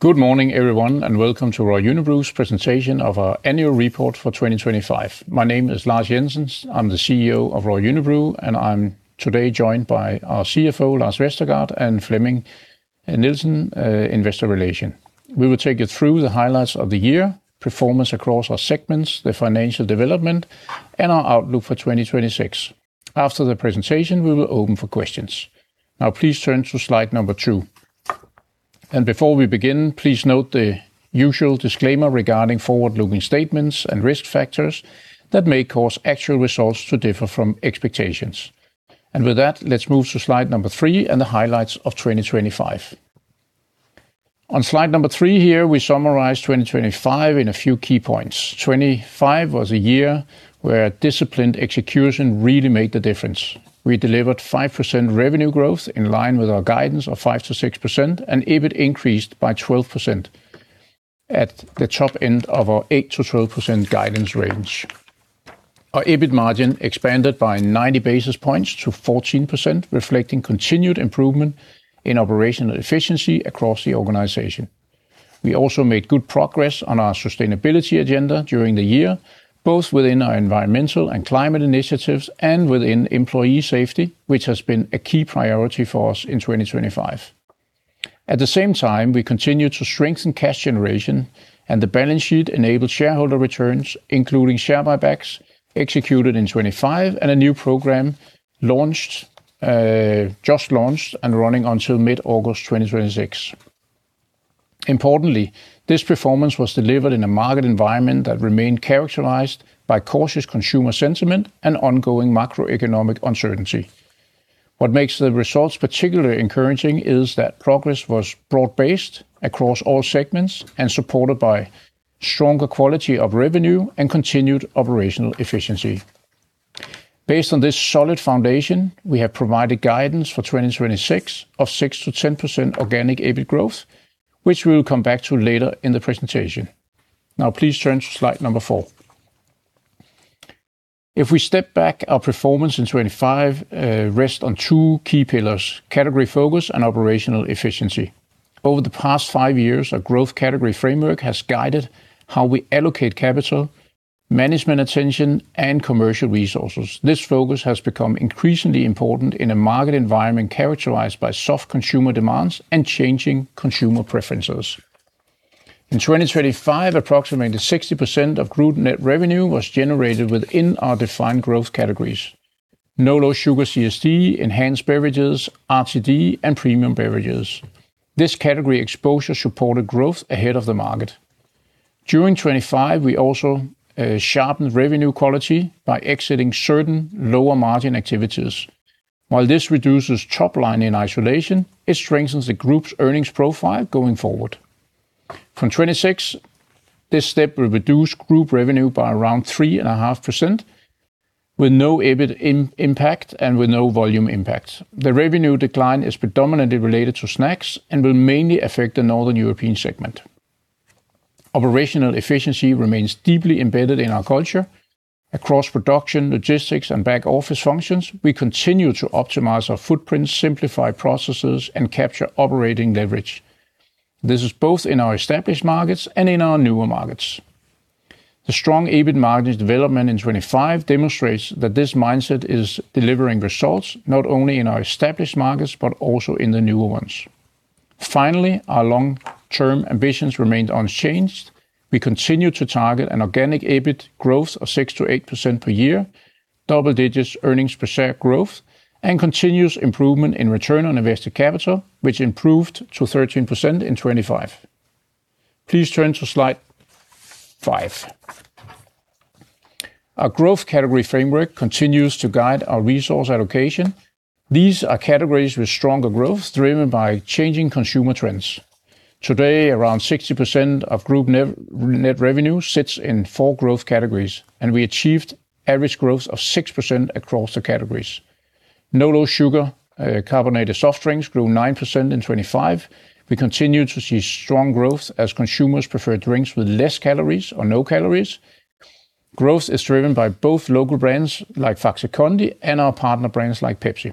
Good morning, everyone, and welcome to Royal Unibrew's presentation of our annual report for 2025. My name is Lars Jensen. I'm the CEO of Royal Unibrew, and I'm today joined by our CFO, Lars Vestergaard, and Flemming Nielsen, Investor Relations. We will take you through the highlights of the year, performance across our segments, the financial development, and our outlook for 2026. After the presentation, we will open for questions. Please turn to Slide 2. Before we begin, please note the usual disclaimer regarding forward-looking statements and risk factors that may cause actual results to differ from expectations. With that, let's move to Slide 3 and the highlights of 2025. On Slide 3 here, we summarize 2025 in a few key points. 2025 was a year where disciplined execution really made the difference. We delivered 5% revenue growth in line with our guidance of 5%-6%, and EBIT increased by 12% at the top end of our 8%-12% guidance range. Our EBIT margin expanded by 90 basis points to 14%, reflecting continued improvement in operational efficiency across the organization. We also made good progress on our sustainability agenda during the year, both within our environmental and climate initiatives and within employee safety, which has been a key priority for us in 2025. At the same time, we continued to strengthen cash generation, and the balance sheet enabled shareholder returns, including share buybacks executed in 2025, and a new program just launched and running until mid-August 2026. Importantly, this performance was delivered in a market environment that remained characterized by cautious consumer sentiment and ongoing macroeconomic uncertainty. What makes the results particularly encouraging is that progress was broad-based across all segments and supported by stronger quality of revenue and continued operational efficiency. Based on this solid foundation, we have provided guidance for 2026 of 6%-10% organic EBIT growth, which we will come back to later in the presentation. Please turn to Slide 4. If we step back, our performance in 2025 rests on two key pillars: category focus and operational efficiency. Over the past five years, our growth category framework has guided how we allocate capital, management attention, and commercial resources. This focus has become increasingly important in a market environment characterized by soft consumer demands and changing consumer preferences. In 2025, approximately 60% of group net revenue was generated within our defined growth categories: No-low sugar CSD, enhanced beverages, RTD, and premium beverages. This category exposure supported growth ahead of the market. During 2025, we also sharpened revenue quality by exiting certain lower-margin activities. While this reduces top line in isolation, it strengthens the group's earnings profile going forward. From 2026, this step will reduce group revenue by around 3.5%, with no EBIT impact and with no volume impact. The revenue decline is predominantly related to snacks and will mainly affect the Northern European segment. Operational efficiency remains deeply embedded in our culture. Across production, logistics, and back-office functions, we continue to optimize our footprint, simplify processes, and capture operating leverage. This is both in our established markets and in our newer markets. The strong EBIT margin development in 2025 demonstrates that this mindset is delivering results, not only in our established markets, but also in the newer ones. Finally, our long-term ambitions remained unchanged. We continue to target an organic EBIT growth of 6%-8% per year, double-digit earnings per share growth, and continuous improvement in return on invested capital, which improved to 13% in 2025. Please turn to Slide 5. Our growth category framework continues to guide our resource allocation. These are categories with stronger growth, driven by changing consumer trends. Today, around 60% of group net revenue sits in 4 growth categories, and we achieved average growth of 6% across the categories. No-low sugar carbonated soft drinks grew 9% in 2025. We continue to see strong growth as consumers prefer drinks with less calories or no calories. Growth is driven by both local brands, like Faxe Kondi, and our partner brands, like Pepsi.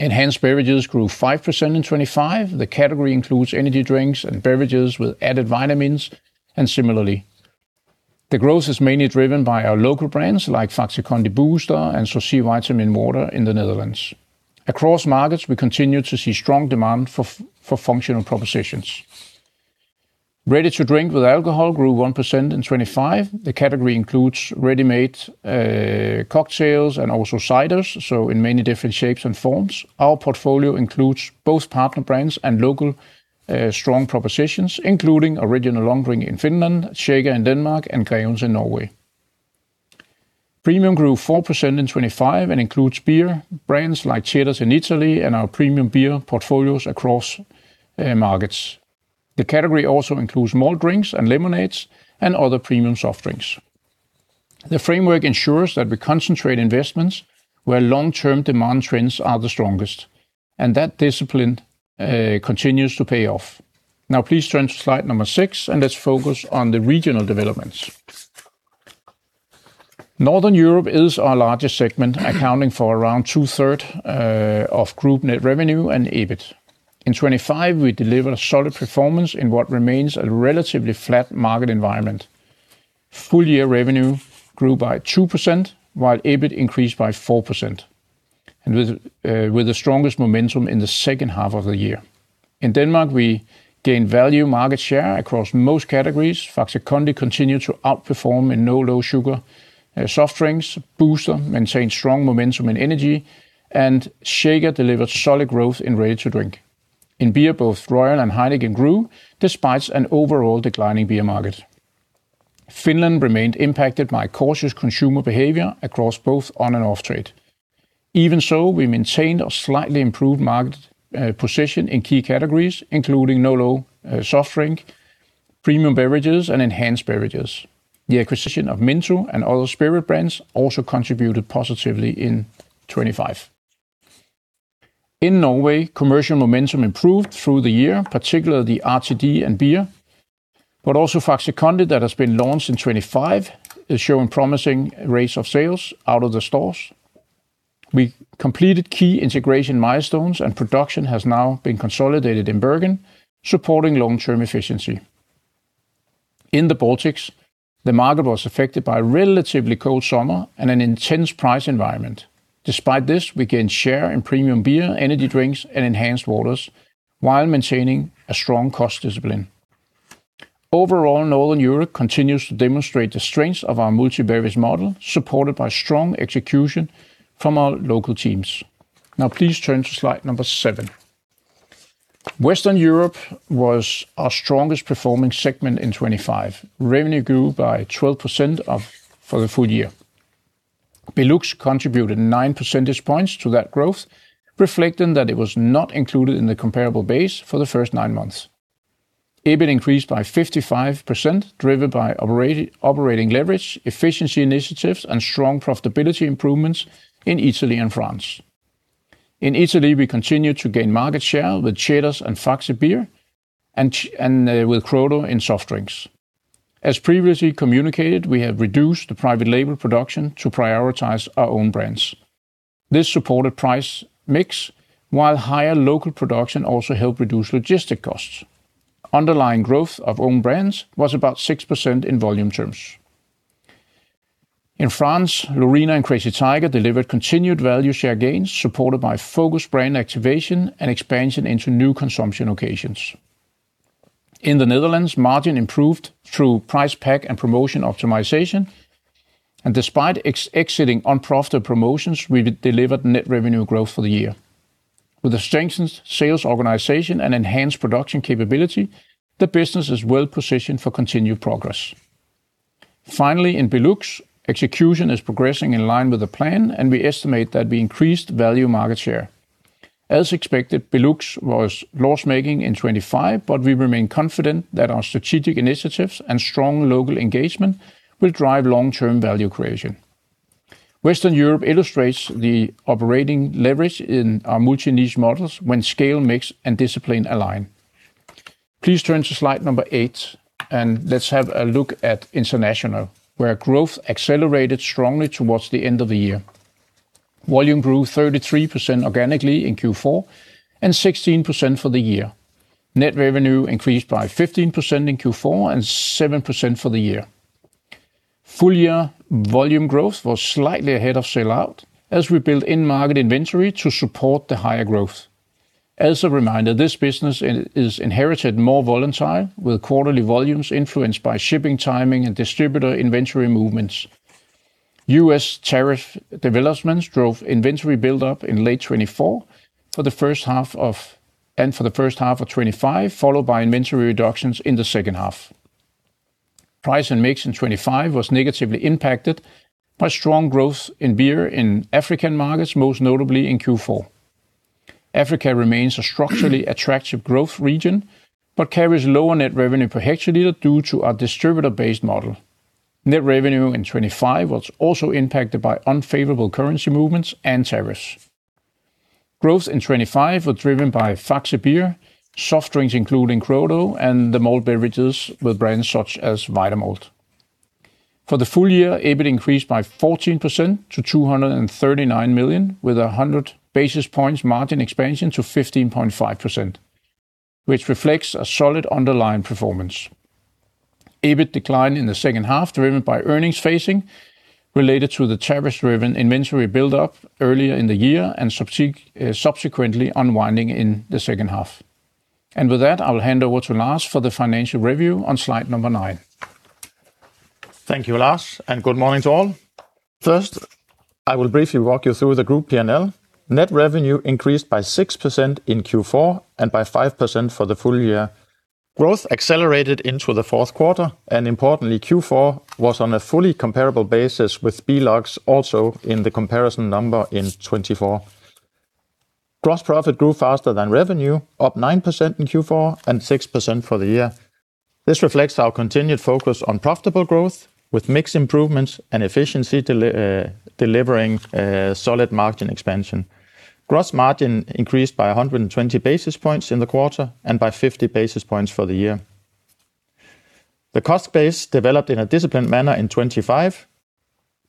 Enhanced beverages grew 5% in 2025. The category includes energy drinks and beverages with added vitamins, and similarly. The growth is mainly driven by our local brands, like Faxe Kondi Booster and Sourcy Vitaminwater in the Netherlands. Across markets, we continue to see strong demand for functional propositions. Ready to drink with alcohol grew 1% in 2025. The category includes ready-made cocktails and also ciders, so in many different shapes and forms. Our portfolio includes both partner brands and local strong propositions, including Original Long Drink in Finland, SHAKER in Denmark, and Grevens in Norway. Premium grew 4% in 2025 and includes beer brands like Peroni in Italy and our premium beer portfolios across markets. The category also includes malt drinks and lemonades and other premium soft drinks. The framework ensures that we concentrate investments where long-term demand trends are the strongest, and that discipline continues to pay off. Now, please turn to Slide 6, and let's focus on the regional developments. Northern Europe is our largest segment, accounting for around 2/3 of group net revenue and EBIT. In 2025, we delivered a solid performance in what remains a relatively flat market environment. Full-year revenue grew by 2%, while EBIT increased by 4%, and with the strongest momentum in the second half of the year. In Denmark, we gained value market share across most categories. Faxe Kondi continued to outperform in no- and low-sugar soft drinks. Booster maintained strong momentum and energy, and SHAKER delivered solid growth in ready-to-drink. In beer, both Royal and Heineken grew, despite an overall declining beer market. Finland remained impacted by cautious consumer behavior across both on and off-trade. We maintained a slightly improved market position in key categories, including no-low soft drink, premium beverages, and enhanced beverages. The acquisition of Minttu and other spirit brands also contributed positively in 25. In Norway, commercial momentum improved through the year, particularly RTD and beer, but also Faxe Kondi that has been launched in 25, is showing promising rates of sales out of the stores. We completed key integration milestones, and production has now been consolidated in Bergen, supporting long-term efficiency. In the Baltics, the market was affected by a relatively cold summer and an intense price environment. We gained share in premium beer, energy drinks, and enhanced waters, while maintaining a strong cost discipline. Overall, Northern Europe continues to demonstrate the strengths of our multi-beverage model, supported by strong execution from our local teams. Please turn to Slide 7. Western Europe was our strongest performing segment in 25. Revenue grew by 12% for the full year. Belux contributed 9 percentage points to that growth, reflecting that it was not included in the comparable base for the first 9 months. EBIT increased by 55%, driven by operating leverage, efficiency initiatives, and strong profitability improvements in Italy and France. In Italy, we continued to gain market share with Ceres and Faxe Beer and with Crodo in soft drinks. As previously communicated, we have reduced the private label production to prioritize our own brands. This supported price mix, while higher local production also helped reduce logistic costs. Underlying growth of own brands was about 6% in volume terms. In France, Lorina and Crazy Tiger delivered continued value share gains, supported by focused brand activation and expansion into new consumption occasions. In the Netherlands, margin improved through price pack and promotion optimization. Despite exiting unprofitable promotions, we delivered net revenue growth for the year. With a strengthened sales organization and enhanced production capability, the business is well positioned for continued progress. In Belux, execution is progressing in line with the plan. We estimate that we increased value market share. As expected, Belux was loss-making in 2025. We remain confident that our strategic initiatives and strong local engagement will drive long-term value creation. Western Europe illustrates the operating leverage in our multi-niche models when scale, mix, and discipline align. Please turn to Slide 8. Let's have a look at international, where growth accelerated strongly towards the end of the year. Volume grew 33% organically in Q4. Sixteen percent for the year. Net revenue increased by 15% in Q4. Seven percent for the year. Full-year volume growth was slightly ahead of sell-out as we built in-market inventory to support the higher growth. As a reminder, this business is inherited more volatile, with quarterly volumes influenced by shipping, timing, and distributor inventory movements. US tariff developments drove inventory buildup in late 2024 for the first half of 2025, followed by inventory reductions in the second half. Price and mix in 2025 was negatively impacted by strong growth in beer in African markets, most notably in Q4. Africa remains a structurally attractive growth region, but carries lower net revenue per hectoliter due to our distributor-based model. Net revenue in 25 was also impacted by unfavorable currency movements and tariffs. Growth in 25 was driven by Faxe Beer, soft drinks, including Crodo, and the malt beverages with brands such as Vitamalt. For the full year, EBIT increased by 14% to 239 million, with 100 basis points margin expansion to 15.5%, which reflects a solid underlying performance. EBIT declined in the second half, driven by earnings phasing related to the tariff-driven inventory buildup earlier in the year and subsequently unwinding in the second half. With that, I will hand over to Lars for the financial review on Slide 9. Thank you, Lars. Good morning to all. First, I will briefly walk you through the group P&L. Net revenue increased by 6% in Q4 and by 5% for the full year. Growth accelerated into the fourth quarter. Importantly, Q4 was on a fully comparable basis with Benelux, also in the comparison number in 2024. Gross profit grew faster than revenue, up 9% in Q4 and 6% for the year. This reflects our continued focus on profitable growth, with mix improvements and efficiency delivering solid margin expansion. Gross margin increased by 120 basis points in the quarter and by 50 basis points for the year. The cost base developed in a disciplined manner in 2025.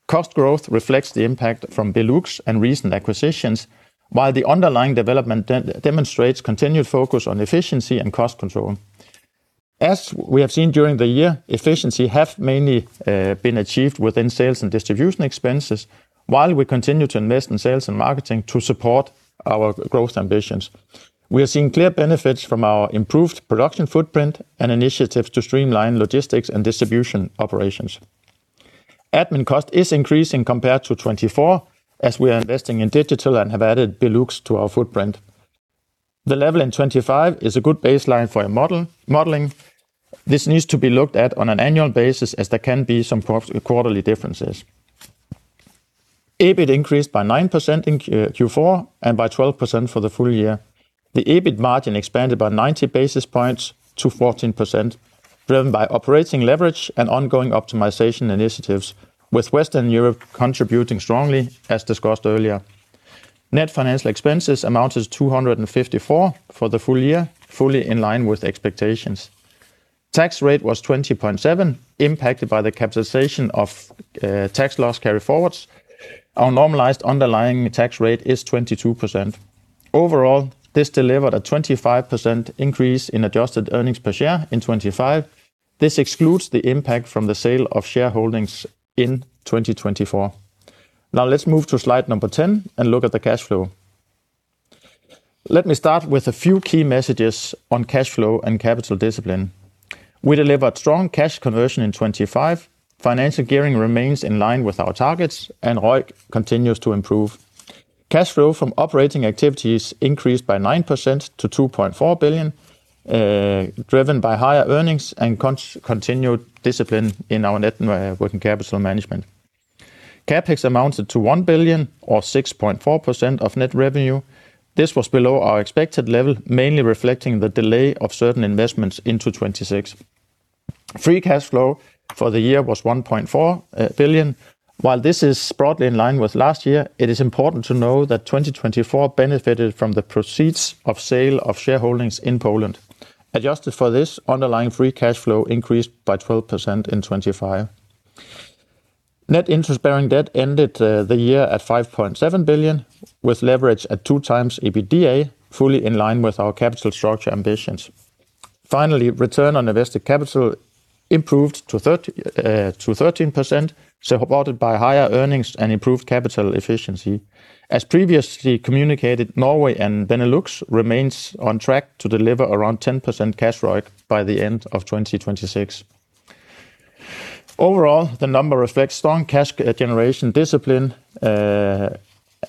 Cost growth reflects the impact from Benelux and recent acquisitions, while the underlying development demonstrates continued focus on efficiency and cost control. As we have seen during the year, efficiency have mainly been achieved within sales and distribution expenses, while we continue to invest in sales and marketing to support our growth ambitions. We are seeing clear benefits from our improved production footprint and initiatives to streamline logistics and distribution operations. Admin cost is increasing compared to 2024, as we are investing in digital and have added Benelux to our footprint. The level in 2025 is a good baseline for modeling. This needs to be looked at on an annual basis, as there can be some quarterly differences. EBIT increased by 9% in Q4 and by 12% for the full year. The EBIT margin expanded by 90 basis points to 14%, driven by operating leverage and ongoing optimization initiatives, with Western Europe contributing strongly, as discussed earlier. Net financial expenses amounted to 254 for the full year, fully in line with expectations. Tax rate was 20.7%, impacted by the capitalization of tax loss carryforwards. Our normalized underlying tax rate is 22%. Overall, this delivered a 25% increase in adjusted earnings per share in 2025. This excludes the impact from the sale of shareholdings in 2024. Let's move to Slide 10 and look at the cash flow. Let me start with a few key messages on cash flow and capital discipline. We delivered strong cash conversion in 2025. Financial gearing remains in line with our targets, and ROIC continues to improve. Cash flow from operating activities increased by 9% to 2.4 billion, driven by higher earnings and continued discipline in our net working capital management. CapEx amounted to 1 billion, or 6.4% of net revenue. This was below our expected level, mainly reflecting the delay of certain investments into 2026. Free cash flow for the year was 1.4 billion. While this is broadly in line with last year, it is important to know that 2024 benefited from the proceeds of sale of shareholdings in Poland. Adjusted for this, underlying free cash flow increased by 12% in 2025. Net interest-bearing debt ended the year at 5.7 billion, with leverage at 2 times EBITDA, fully in line with our capital structure ambitions. Finally, return on invested capital improved to 13%, supported by higher earnings and improved capital efficiency. As previously communicated, Norway and Benelux remains on track to deliver around 10% cash ROIC by the end of 2026. Overall, the number reflects strong cash generation discipline,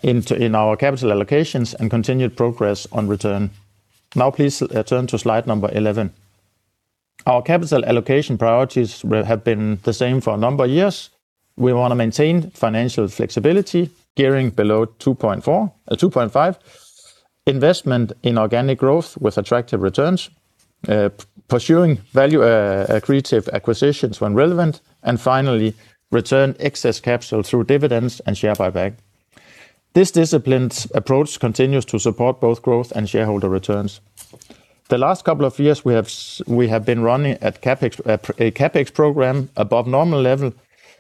in our capital allocations and continued progress on return. Now please, turn to Slide 11. Our capital allocation priorities will have been the same for a number of years. We want to maintain financial flexibility, gearing below 2.4-2.5, investment in organic growth with attractive returns, pursuing value, accretive acquisitions when relevant, and finally, return excess capital through dividends and share buyback. This disciplined approach continues to support both growth and shareholder returns. The last couple of years, we have been running at CapEx, a CapEx program above normal level.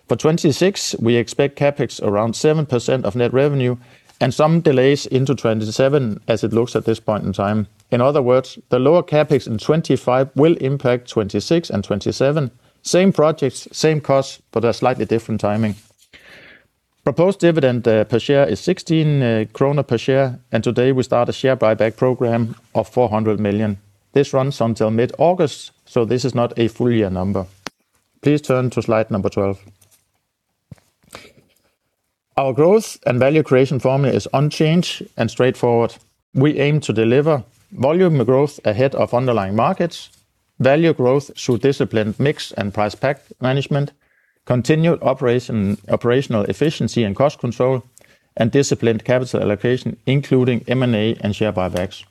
For 2026, we expect CapEx around 7% of net revenue and some delays into 2027, as it looks at this point in time. In other words, the lower CapEx in 2025 will impact 2026 and 2027. Same projects, same costs, a slightly different timing. Proposed dividend per share is 16 kroner per share. Today we start a share buyback program of 400 million DKK. This runs until mid-August. This is not a full year number. Please turn to Slide 12. Our growth and value creation formula is unchanged and straightforward. We aim to deliver volume growth ahead of underlying markets; value growth through disciplined mix and price/pack management; continued operational efficiency and cost control; and disciplined capital allocation, including M&A and share buybacks.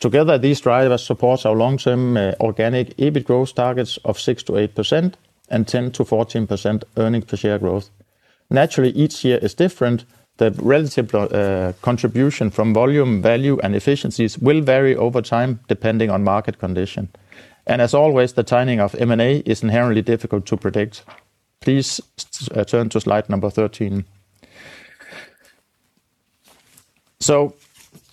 Together, these drivers support our long-term organic EBIT growth targets of 6%-8% and 10%-14% earnings per share growth. Naturally, each year is different. The relative contribution from volume, value, and efficiencies will vary over time, depending on market condition. As always, the timing of M&A is inherently difficult to predict. Please turn to Slide 13.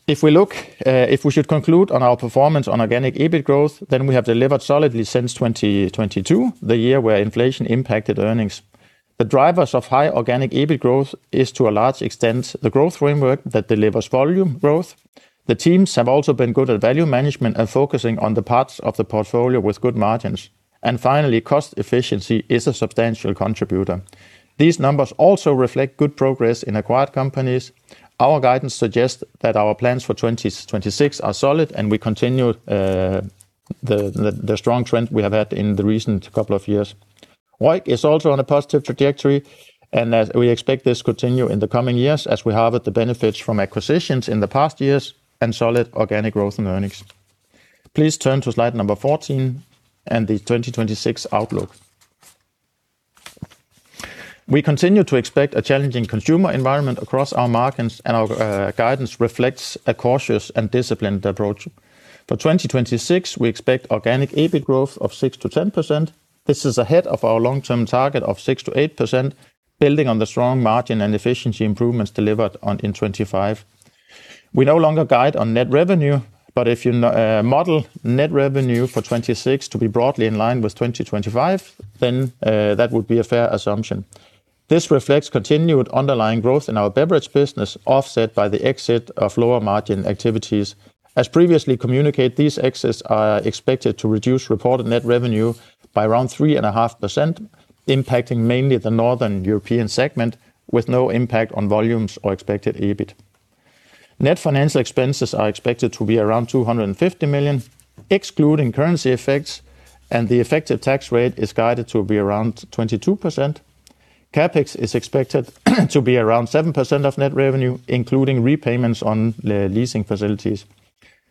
If we look, if we should conclude on our performance on organic EBIT growth, then we have delivered solidly since 2022, the year where inflation impacted earnings. The drivers of high organic EBIT growth is, to a large extent, the growth framework that delivers volume growth. The teams have also been good at value management and focusing on the parts of the portfolio with good margins. Finally, cost efficiency is a substantial contributor. These numbers also reflect good progress in acquired companies. Our guidance suggests that our plans for 2026 are solid, and we continue the strong trend we have had in the recent couple of years. ROIC is also on a positive trajectory, as we expect this to continue in the coming years, as we harvest the benefits from acquisitions in the past years and solid organic growth in earnings. Please turn to Slide 14 and the 2026 outlook. We continue to expect a challenging consumer environment across our markets, our guidance reflects a cautious and disciplined approach. For 2026, we expect organic EBIT growth of 6%-10%. This is ahead of our long-term target of 6%-8%, building on the strong margin and efficiency improvements delivered on, in 2025. We no longer guide on net revenue, if you model net revenue for 2026 to be broadly in line with 2025, that would be a fair assumption. This reflects continued underlying growth in our beverage business, offset by the exit of lower margin activities. As previously communicated, these exits are expected to reduce reported net revenue by around 3.5%, impacting mainly the Northern European segment, with no impact on volumes or expected EBIT. Net financial expenses are expected to be around 250 million, excluding currency effects, and the effective tax rate is guided to be around 22%. CapEx is expected to be around 7% of net revenue, including repayments on leasing facilities.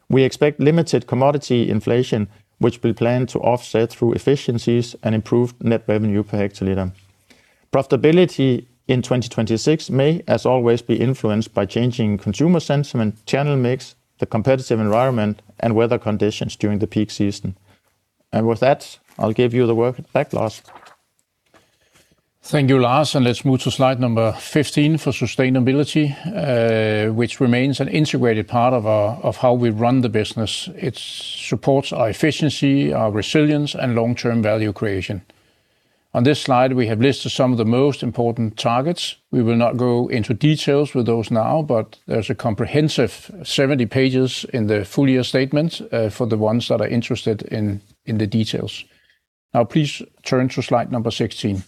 We expect limited commodity inflation, which we plan to offset through efficiencies and improved net revenue per hectoliter. Profitability in 2026 may, as always, be influenced by changing consumer sentiment, channel mix, the competitive environment, and weather conditions during the peak season. With that, I'll give you the word back, Lars. Thank you, Lars, and let's move to Slide 15 for sustainability, which remains an integrated part of how we run the business. It supports our efficiency, our resilience, and long-term value creation. On this Slide, we have listed some of the most important targets. We will not go into details with those now, but there's a comprehensive 70 pages in the full year statement for the ones that are interested in the details. Now, please turn to Slide 16.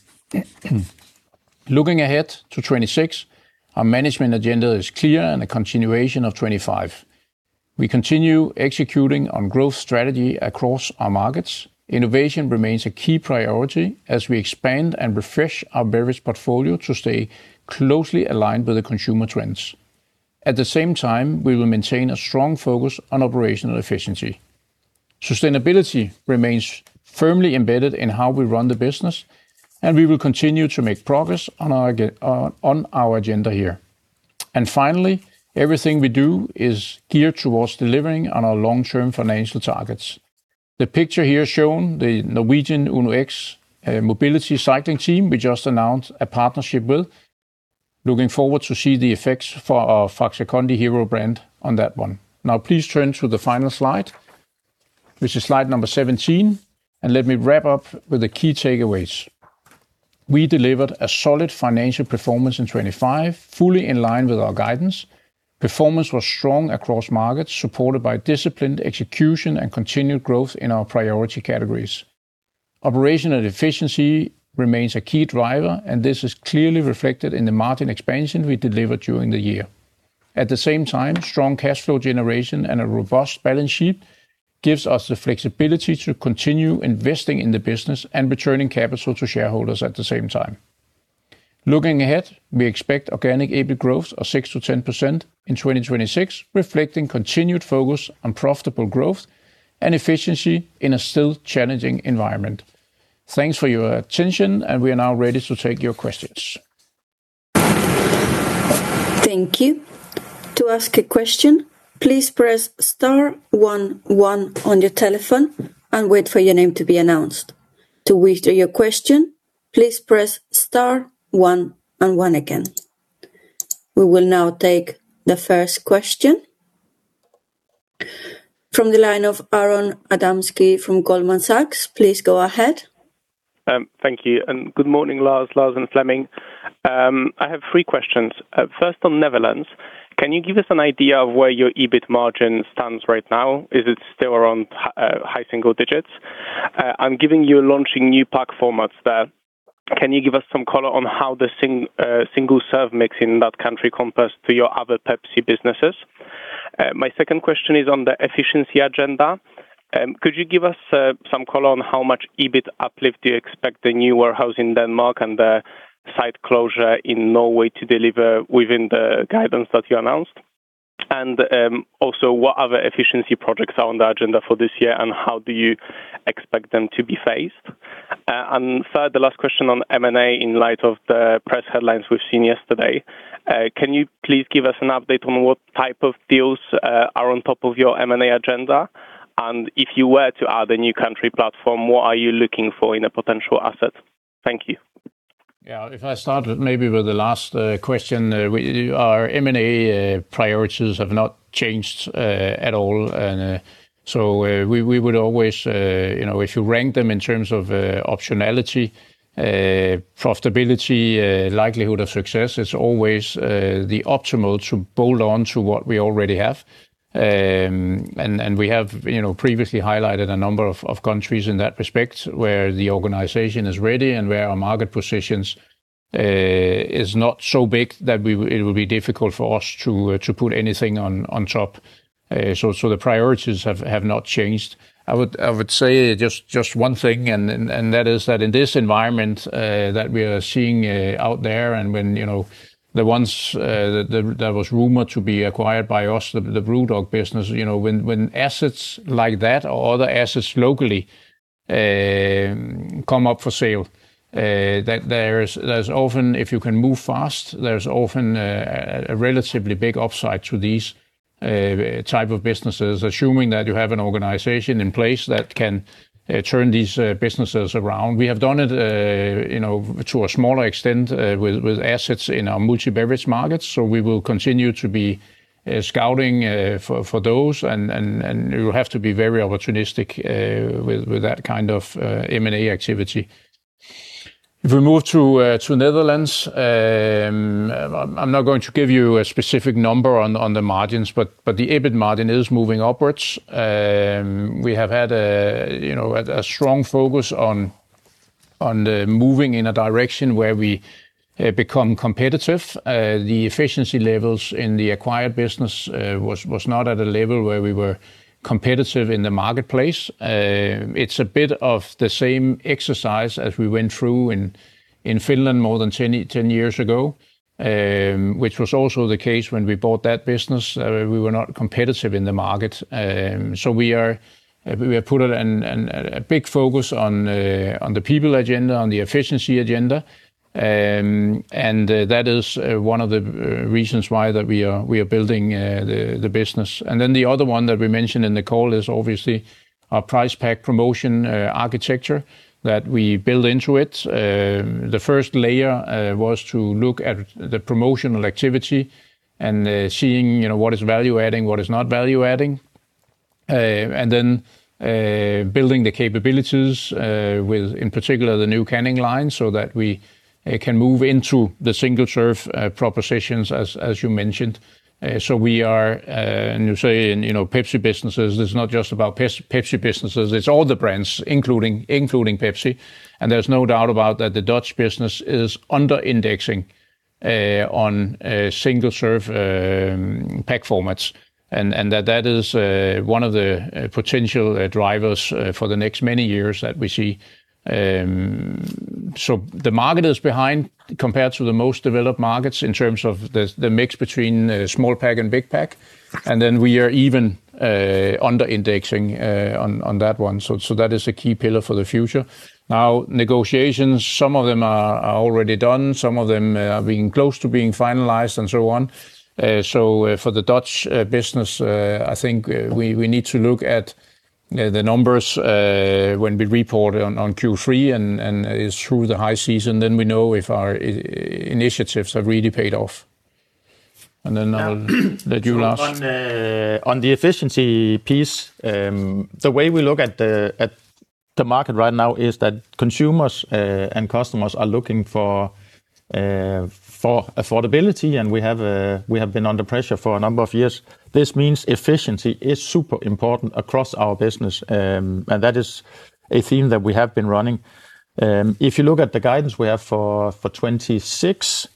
Looking ahead to 2026, our management agenda is clear and a continuation of 2025. We continue executing on growth strategy across our markets. Innovation remains a key priority as we expand and refresh our various portfolio to stay closely aligned with the consumer trends. At the same time, we will maintain a strong focus on operational efficiency. Finally, everything we do is geared towards delivering on our long-term financial targets. The picture here shown, the Norwegian Uno-X Mobility Cycling Team, we just announced a partnership with. Looking forward to see the effects for our Faxe Kondi hero brand on that one. Please turn to the final Slide, which is Slide 17, and let me wrap up with the key takeaways. We delivered a solid financial performance in 2025, fully in line with our guidance. Performance was strong across markets, supported by disciplined execution and continued growth in our priority categories. Operational efficiency remains a key driver, and this is clearly reflected in the margin expansion we delivered during the year. At the same time, strong cash flow generation and a robust balance sheet gives us the flexibility to continue investing in the business and returning capital to shareholders at the same time. Looking ahead, we expect organic EBIT growth of 6%-10% in 2026, reflecting continued focus on profitable growth and efficiency in a still challenging environment. Thanks for your attention. We are now ready to take your questions. Thank you. To ask a question, please press star one one on your telephone and wait for your name to be announced. To withdraw your question, please press star one and one again. We will now take the first question. From the line of Aron Adamski from Goldman Sachs, please go ahead. Thank you, good morning, Lars and Flemming. I have 3 questions. First, on Netherlands, can you give us an idea of where your EBIT margin stands right now? Is it still around high single digits? Giving you are launching new pack formats there, can you give us some color on how the single serve mix in that country compares to your other Pepsi businesses? My second question is on the efficiency agenda. Could you give us some color on how much EBIT uplift do you expect the new warehouse in Denmark and the site closure in Norway to deliver within the guidance that you announced? Also, what other efficiency projects are on the agenda for this year, and how do you expect them to be phased? Third, the last question on M&A in light of the press headlines we've seen yesterday. Can you please give us an update on what type of deals are on top of your M&A agenda? If you were to add a new country platform, what are you looking for in a potential asset? Thank you. Yeah, if I start with, maybe with the last question, our M&A priorities have not changed at all. We would always, you know, if you rank them in terms of optionality, profitability, likelihood of success, it's always the optimal to build on to what we already have. We have, you know, previously highlighted a number of countries in that respect, where the organization is ready and where our market positions is not so big that it would be difficult for us to put anything on top. The priorities have not changed. I would say just one thing, and that is that in this environment that we are seeing out there, and when, you know, the ones that was rumored to be acquired by us, the BrewDog business, you know, when assets like that or other assets locally come up for sale, if you can move fast, there's often a relatively big upside to these type of businesses, assuming that you have an organization in place that can turn these businesses around. We have done it, you know, to a smaller extent, with assets in our multi-beverage markets. We will continue to be scouting for those, and you have to be very opportunistic with that kind of M&A activity. If we move to Netherlands, I'm not going to give you a specific number on the margins, but the EBIT margin is moving upwards. We have had a, you know, a strong focus on the moving in a direction where we become competitive. The efficiency levels in the acquired business was not at a level where we were competitive in the marketplace. It's a bit of the same exercise as we went through in Finland more than 10 years ago, which was also the case when we bought that business. We were not competitive in the market. We have put a big focus on the people agenda, on the efficiency agenda. That is one of the reasons why we are building the business. The other one that we mentioned in the call is obviously our price pack promotion architecture that we build into it. The first layer was to look at the promotional activity and seeing, you know, what is value adding, what is not value adding. Building the capabilities with, in particular, the new canning line, so that we can move into the single-serve propositions, as you mentioned. We are, and you say in, you know, Pepsi businesses, it's not just about Pepsi businesses, it's all the brands, including Pepsi. There's no doubt about that the Dutch business is under-indexing on single-serve pack formats, and that is one of the potential drivers for the next many years that we see. The market is behind compared to the most developed markets in terms of the mix between small pack and big pack, and we are even under-indexing on that one. That is a key pillar for the future. Negotiations, some of them are already done, some of them are being close to being finalized, and so on. For the Dutch business, I think we need to look at the numbers when we report on Q3 and it's through the high season, then we know if our initiatives have really paid off. I'll let you last. On, on the efficiency piece, the way we look at the market right now is that consumers and customers are looking for affordability, and we have been under pressure for a number of years. This means efficiency is super important across our business, and that is a theme that we have been running. If you look at the guidance we have for 2026,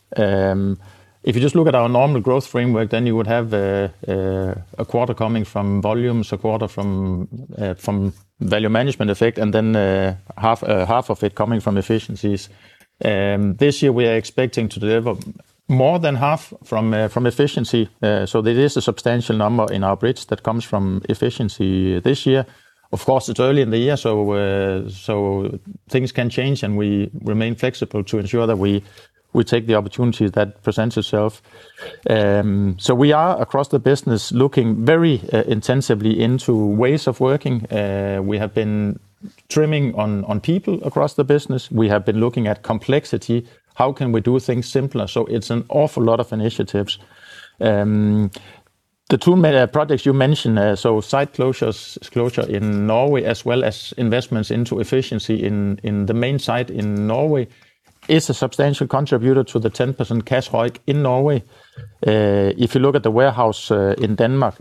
if you just look at our normal growth framework, then you would have a quarter coming from volumes, a quarter from value management effect, and then half of it coming from efficiencies. This year we are expecting to deliver more than half from efficiency. There is a substantial number in our bridge that comes from efficiency this year. Of course, it's early in the year, so things can change, and we remain flexible to ensure that we take the opportunity that presents itself. We are, across the business, looking very intensively into ways of working. We have been trimming on people across the business. We have been looking at complexity. How can we do things simpler? It's an awful lot of initiatives. The two main projects you mentioned, site closures, closure in Norway, as well as investments into efficiency in the main site in Norway, is a substantial contributor to the 10% cash hike in Norway. If you look at the warehouse in Denmark,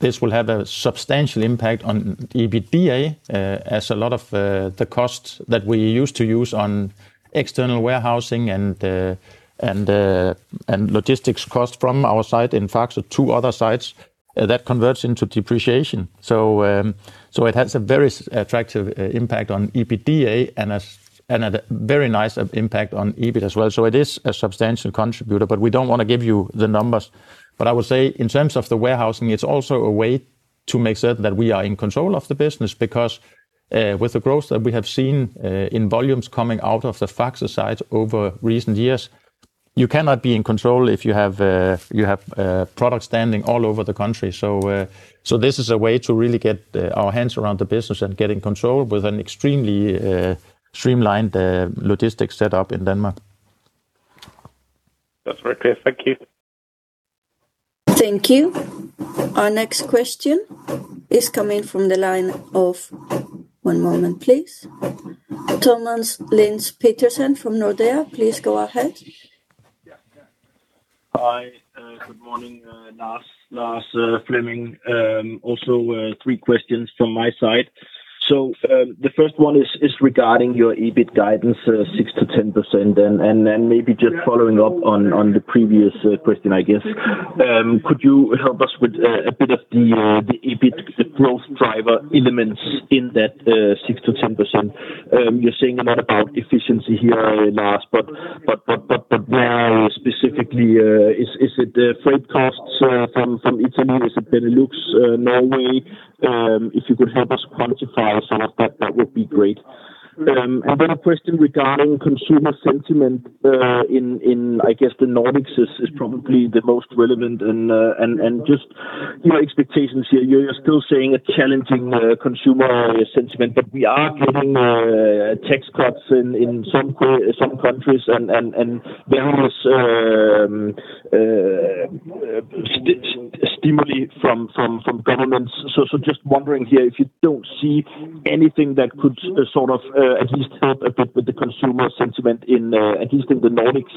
this will have a substantial impact on the EBITDA, as a lot of the costs that we used to use on external warehousing and and logistics costs from our site in Faxe, two other sites, that converts into depreciation. It has a very attractive impact on EBITDA and a very nice impact on EBIT as well. It is a substantial contributor, but we don't want to give you the numbers. I would say in terms of the warehousing, it's also a way to make certain that we are in control of the business, because with the growth that we have seen in volumes coming out of the Faxe site over recent years, you cannot be in control if you have products standing all over the country. This is a way to really get our hands around the business and get in control with an extremely streamlined logistics set up in Denmark. That's very clear. Thank you. Thank you. Our next question is coming from the line of... One moment, please. Thomas Lind Petersen from Nordea, please go ahead. Yeah. Hi, good morning, Lars, Flemming. Also, 3 questions from my side. The first one is regarding your EBIT guidance, 6%-10%, and then maybe just following up on the previous question, I guess. Could you help us with a bit of the EBIT growth driver elements in that 6%-10%? You're saying a lot about efficiency here, Lars, but where specifically is it the freight costs from Italy? Is it Benelux, Norway? If you could help us quantify some of that would be great. ... a question regarding consumer sentiment, in, I guess, the Nordics is probably the most relevant and just your expectations here. You're still seeing a challenging consumer sentiment, but we are getting tax cuts in some countries and various stimuli from governments. Just wondering here if you don't see anything that could at least help a bit with the consumer sentiment in at least in the Nordics?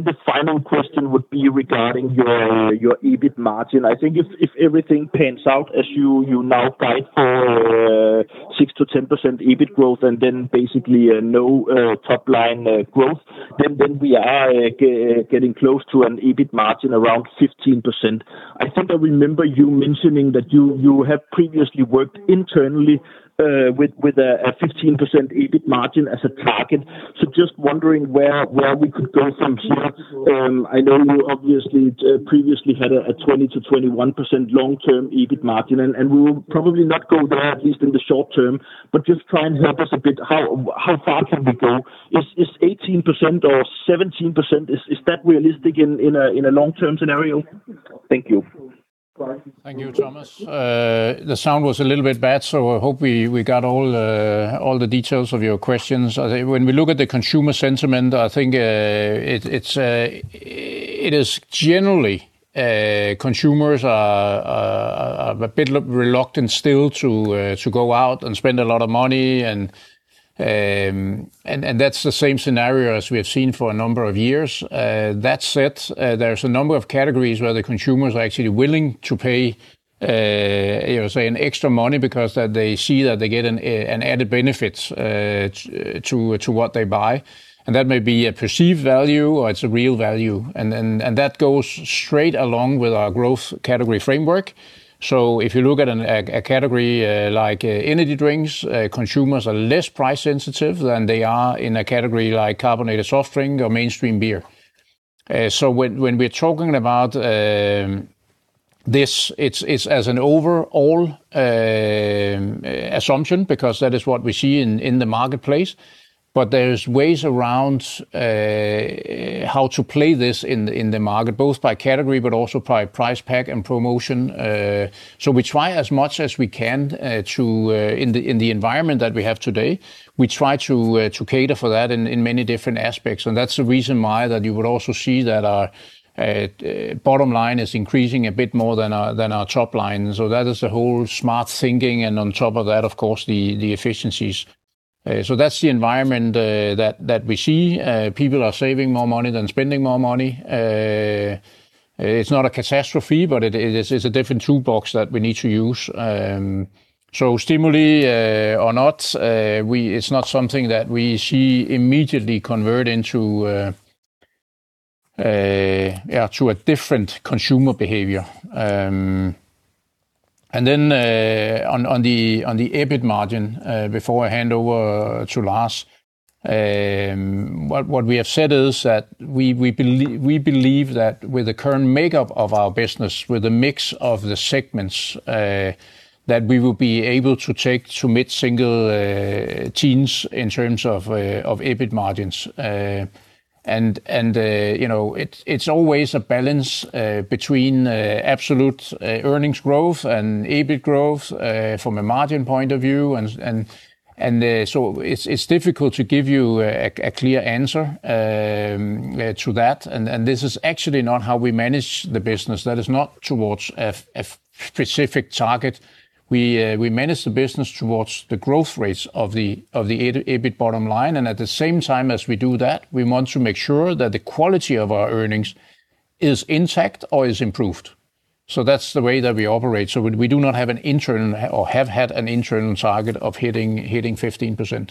The final question would be regarding your EBIT margin. I think if everything pans out as you now guide for 6%-10% EBIT growth and then basically no top line growth, then we are getting close to an EBIT margin around 15%. I think I remember you mentioning that you have previously worked internally with a 15% EBIT margin as a target. Just wondering where we could go from here. I know you obviously previously had a 20%-21% long-term EBIT margin, we will probably not go there, at least in the short term, just try and help us a bit, how far can we go? Is 18% or 17% is that realistic in a long-term scenario? Thank you. Thank you, Thomas. The sound was a little bit bad, so I hope we got all the details of your questions. I think when we look at the consumer sentiment, I think, It is generally, consumers are a bit reluctant still to go out and spend a lot of money. That's the same scenario as we have seen for a number of years. That said, there's a number of categories where the consumers are actually willing to pay, you know, say, an extra money because that they see that they get an added benefit, to what they buy, and that goes straight along with our growth category framework. If you look at a category like energy drinks, consumers are less price sensitive than they are in a category like carbonated soft drink or mainstream beer. When we're talking about this, it's as an overall assumption, because that is what we see in the marketplace. There's ways around how to play this in the market, both by category but also by price, pack, and promotion. We try as much as we can to in the environment that we have today, we try to cater for that in many different aspects. That's the reason why that you would also see that our bottom line is increasing a bit more than our top line. That is the whole smart thinking, and on top of that, of course, the efficiencies. That's the environment that we see. People are saving more money than spending more money. It's not a catastrophe, but it is a different toolbox that we need to use. Stimuli or not, it's not something that we see immediately convert into a different consumer behavior. On the EBIT margin, before I hand over to Lars, what we have said is that we believe, we believe that with the current makeup of our business, with the mix of the segments, that we will be able to take to mid-single teens in terms of EBIT margins. You know, it's always a balance between absolute earnings growth and EBIT growth from a margin point of view. It's difficult to give you a clear answer to that. This is actually not how we manage the business. That is not towards a specific target. We manage the business towards the growth rates of the EBIT bottom line, and at the same time as we do that, we want to make sure that the quality of our earnings is intact or is improved. That's the way that we operate. We do not have an internal or have had an internal target of hitting 15%.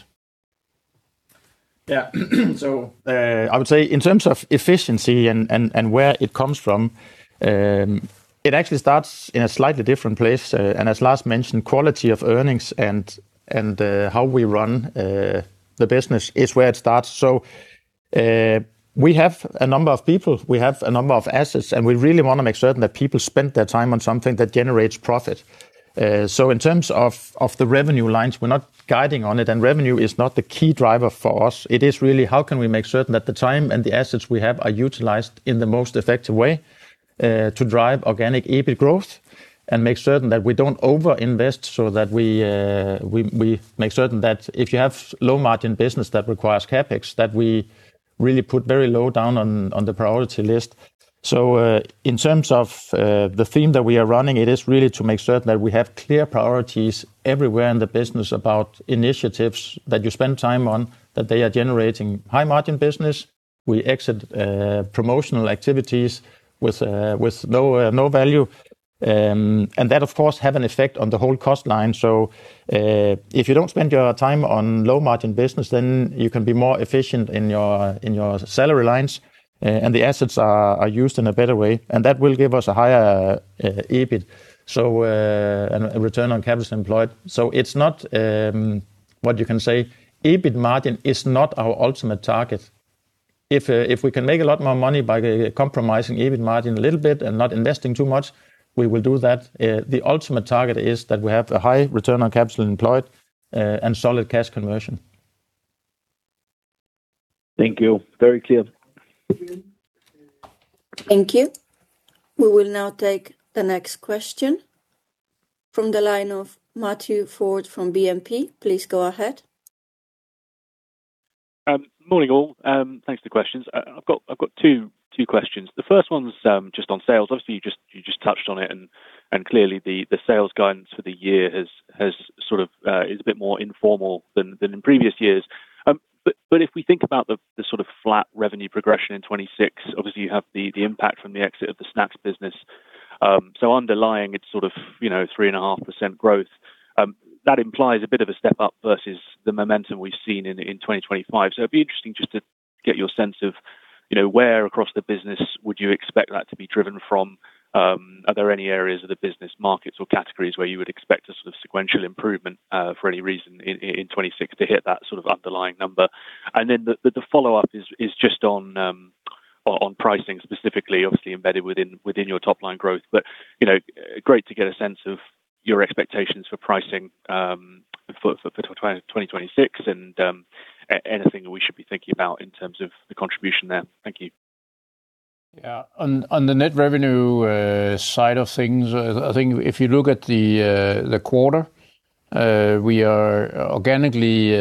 Yeah. I would say in terms of efficiency and where it comes from, it actually starts in a slightly different place. As Lars mentioned, quality of earnings and how we run the business is where it starts. We have a number of people, we have a number of assets, and we really want to make certain that people spend their time on something that generates profit. In terms of the revenue lines, we're not guiding on it, and revenue is not the key driver for us. It is really how can we make certain that the time and the assets we have are utilized in the most effective way, to drive organic EBIT growth and make certain that we don't overinvest so that we make certain that if you have low margin business that requires CapEx, that we really put very low down on the priority list. In terms of the theme that we are running, it is really to make certain that we have clear priorities everywhere in the business about initiatives that you spend time on, that they are generating high margin business. We exit promotional activities with no value. That, of course, have an effect on the whole cost line. If you don't spend your time on low margin business, then you can be more efficient in your, in your salary lines, and the assets are used in a better way, and that will give us a higher EBIT. A return on capital employed. It's not, what you can say, EBIT margin is not our ultimate target. if we can make a lot more money by the compromising EBIT margin a little bit and not investing too much, we will do that. The ultimate target is that we have a high return on capital employed and solid cash conversion. Thank you. Very clear. Thank you. We will now take the next question from the line of Matthew Ford from BNP. Please go ahead. Morning, all. Thanks for the questions. I've got 2 questions. The first one's just on sales. Obviously, you just touched on it, and clearly, the sales guidance for the year has sort of is a bit more informal than in previous years. If we think about the sort of flat revenue progression in 2026, obviously, you have the impact from the exit of the snacks business. Underlying, it's sort of, you know, 3.5% growth. That implies a bit of a step up versus the momentum we've seen in 2025. It'd be interesting just to get your sense of, you know, where across the business would you expect that to be driven from? Are there any areas of the business markets or categories where you would expect a sort of sequential improvement for any reason in 2026 to hit that sort of underlying number? The follow-up is just on pricing specifically, obviously embedded within your top-line growth. You know, great to get a sense of your expectations for pricing for 2026, and anything that we should be thinking about in terms of the contribution there. Thank you. Yeah. On the net revenue side of things, I think if you look at the quarter, we are organically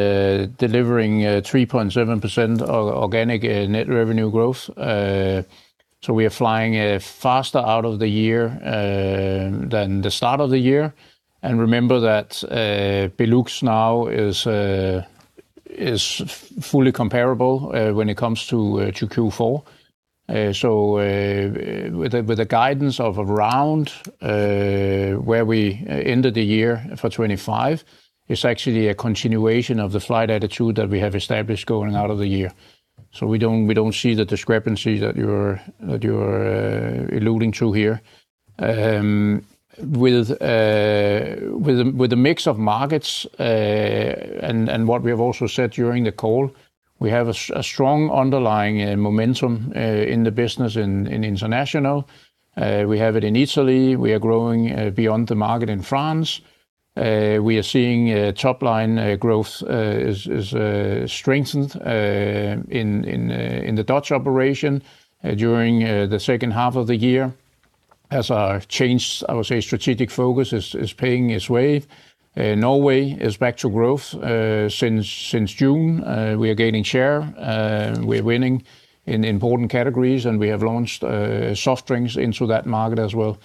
delivering 3.7% of organic net revenue growth. We are flying faster out of the year than the start of the year. Remember that Benelux now is fully comparable when it comes to Q4. With a guidance of around where we ended the year for 2025, it's actually a continuation of the flight attitude that we have established going out of the year. We don't see the discrepancy that you're alluding to here. With the mix of markets, and what we have also said during the call, we have a strong underlying and momentum in the business in international. We have it in Italy. We are growing beyond the market in France. We are seeing top line growth is strengthened in the Dutch operation during the second half of the year as our change, I would say, strategic focus is paying its way. Norway is back to growth since June. We are gaining share, we're winning in important categories, and we have launched soft drinks into that market as well.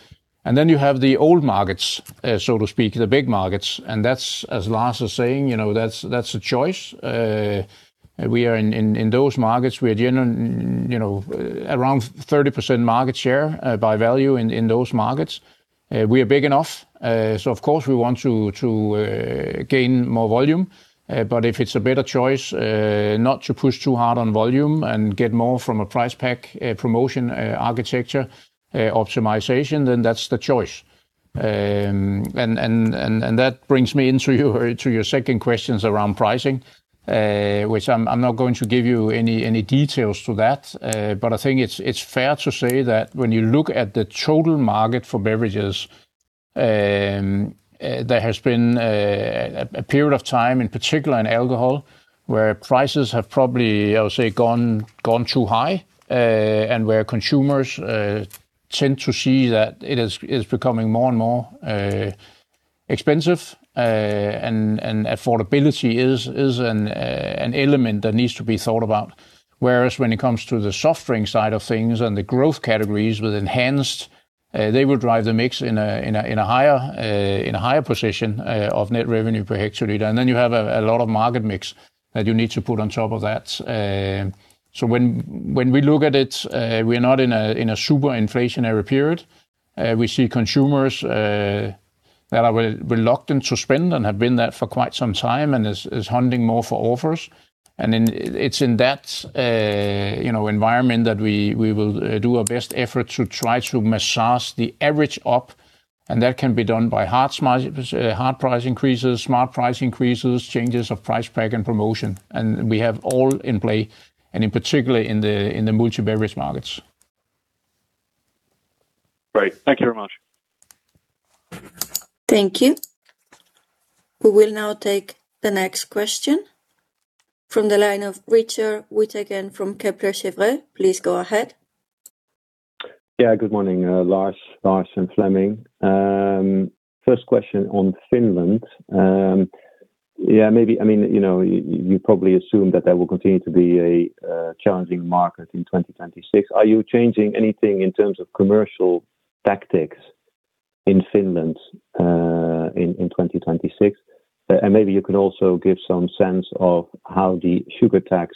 Then you have the old markets, so to speak, the big markets, that's, as Lars is saying, you know, that's a choice. We are in those markets, we are generating, you know, around 30% market share by value in those markets. We are big enough, of course, we want to gain more volume. If it's a better choice, not to push too hard on volume and get more from a price pack promotion architecture optimization, that's the choice. That brings me into your second questions around pricing, which I'm not going to give you any details to that. I think it's fair to say that when you look at the total market for beverages, there has been a period of time, in particular in alcohol, where prices have probably, I would say, gone too high, and where consumers tend to see that it is becoming more and more expensive, and affordability is an element that needs to be thought about. Whereas when it comes to the soft drink side of things and the growth categories with enhanced, they will drive the mix in a higher position, of net revenue per hectoliter. Then you have a lot of market mix that you need to put on top of that. When we look at it, we're not in a super inflationary period. We see consumers that are reluctant to spend and have been that for quite some time, and is hunting more for offers. It's in that, you know, environment that we will do our best effort to try to massage the average up, and that can be done by hard price increases, smart price increases, changes of price pack and promotion. We have all in play, and in particular, in the multi-beverage markets. Great. Thank you very much. Thank you. We will now take the next question from the line of Richard Withagen from Kepler Cheuvreux. Please go ahead. Yeah, good morning, Lars, and Flemming. First question on Finland. Yeah, maybe, I mean, you know, you probably assume that there will continue to be a challenging market in 2026. Are you changing anything in terms of commercial tactics in Finland in 2026? Maybe you can also give some sense of how the sugar tax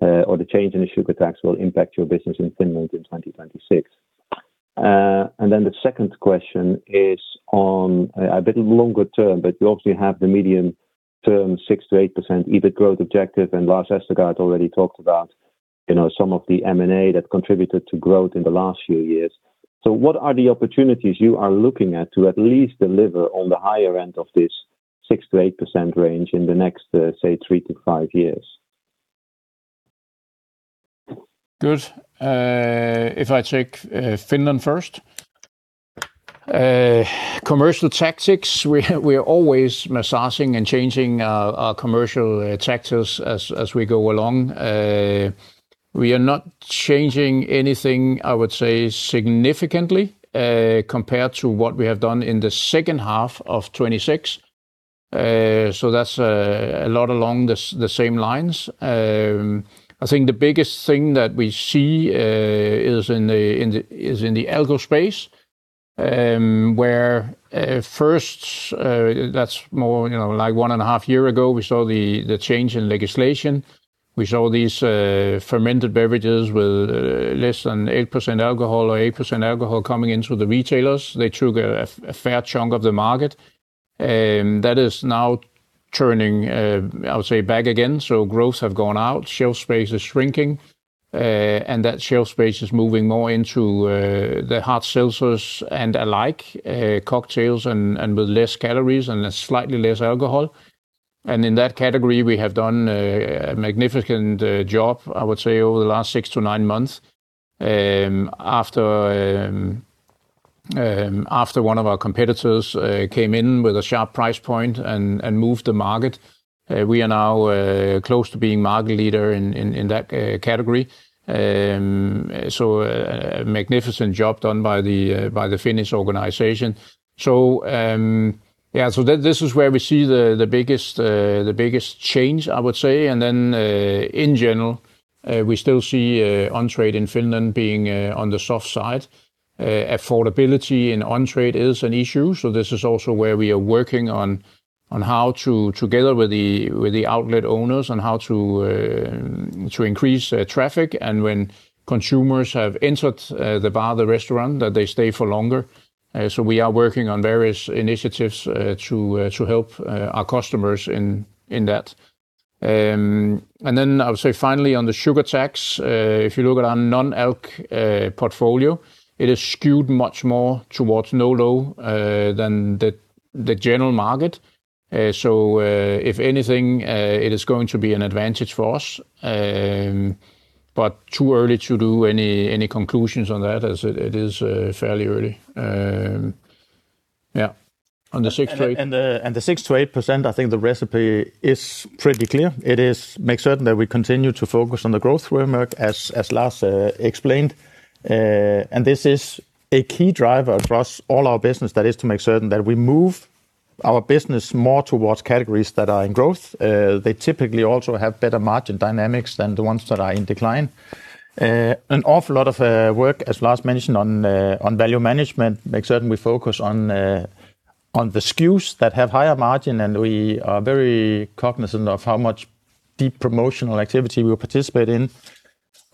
or the change in the sugar tax will impact your business in Finland in 2026. The second question is on a bit longer term, but you obviously have the medium-term 6%-8% EBIT growth objective, and Lars Vestergaard already talked about, you know, some of the M&A that contributed to growth in the last few years. What are the opportunities you are looking at to at least deliver on the higher end of this? 6%-8% range in the next, say, 3-5 years? Good. If I take Finland first, commercial tactics, we are always massaging and changing our commercial tactics as we go along. We are not changing anything, I would say, significantly, compared to what we have done in the second half of 2026. That's a lot along the same lines. I think the biggest thing that we see is in the alco space, where first, that's more, you know, like one and a half year ago, we saw the change in legislation. We saw these fermented beverages with less than 8% alcohol or 8% alcohol coming into the retailers. They took a fair chunk of the market, that is now turning, I would say, back again. Growth have gone out, shelf space is shrinking, and that shelf space is moving more into the hard seltzers and alike, cocktails and with less calories and slightly less alcohol. In that category, we have done a magnificent job, I would say, over the last 6-9 months. After one of our competitors came in with a sharp price point and moved the market, we are now close to being market leader in that category. Magnificent job done by the Finnish organization. This is where we see the biggest change, I would say. In general, we still see on-trade in Finland being on the soft side. Affordability in on-trade is an issue. This is also where we are working on how to, together with the outlet owners, on how to increase traffic, and when consumers have entered the bar, the restaurant, that they stay for longer. We are working on various initiatives to help our customers in that. Then I would say finally on the sugar tax. If you look at our non-alc portfolio, it is skewed much more towards no-lo than the general market. If anything, it is going to be an advantage for us. Too early to do any conclusions on that, as it is fairly early. Yeah. On the 6-8- The 6%-8%, I think the recipe is pretty clear. It is make certain that we continue to focus on the growth framework, as Lars explained. This is a key driver across all our business. That is, to make certain that we move our business more towards categories that are in growth. They typically also have better margin dynamics than the ones that are in decline. An awful lot of work, as Lars mentioned, on value management. Make certain we focus on the SKUs that have higher margin, and we are very cognizant of how much deep promotional activity we will participate in.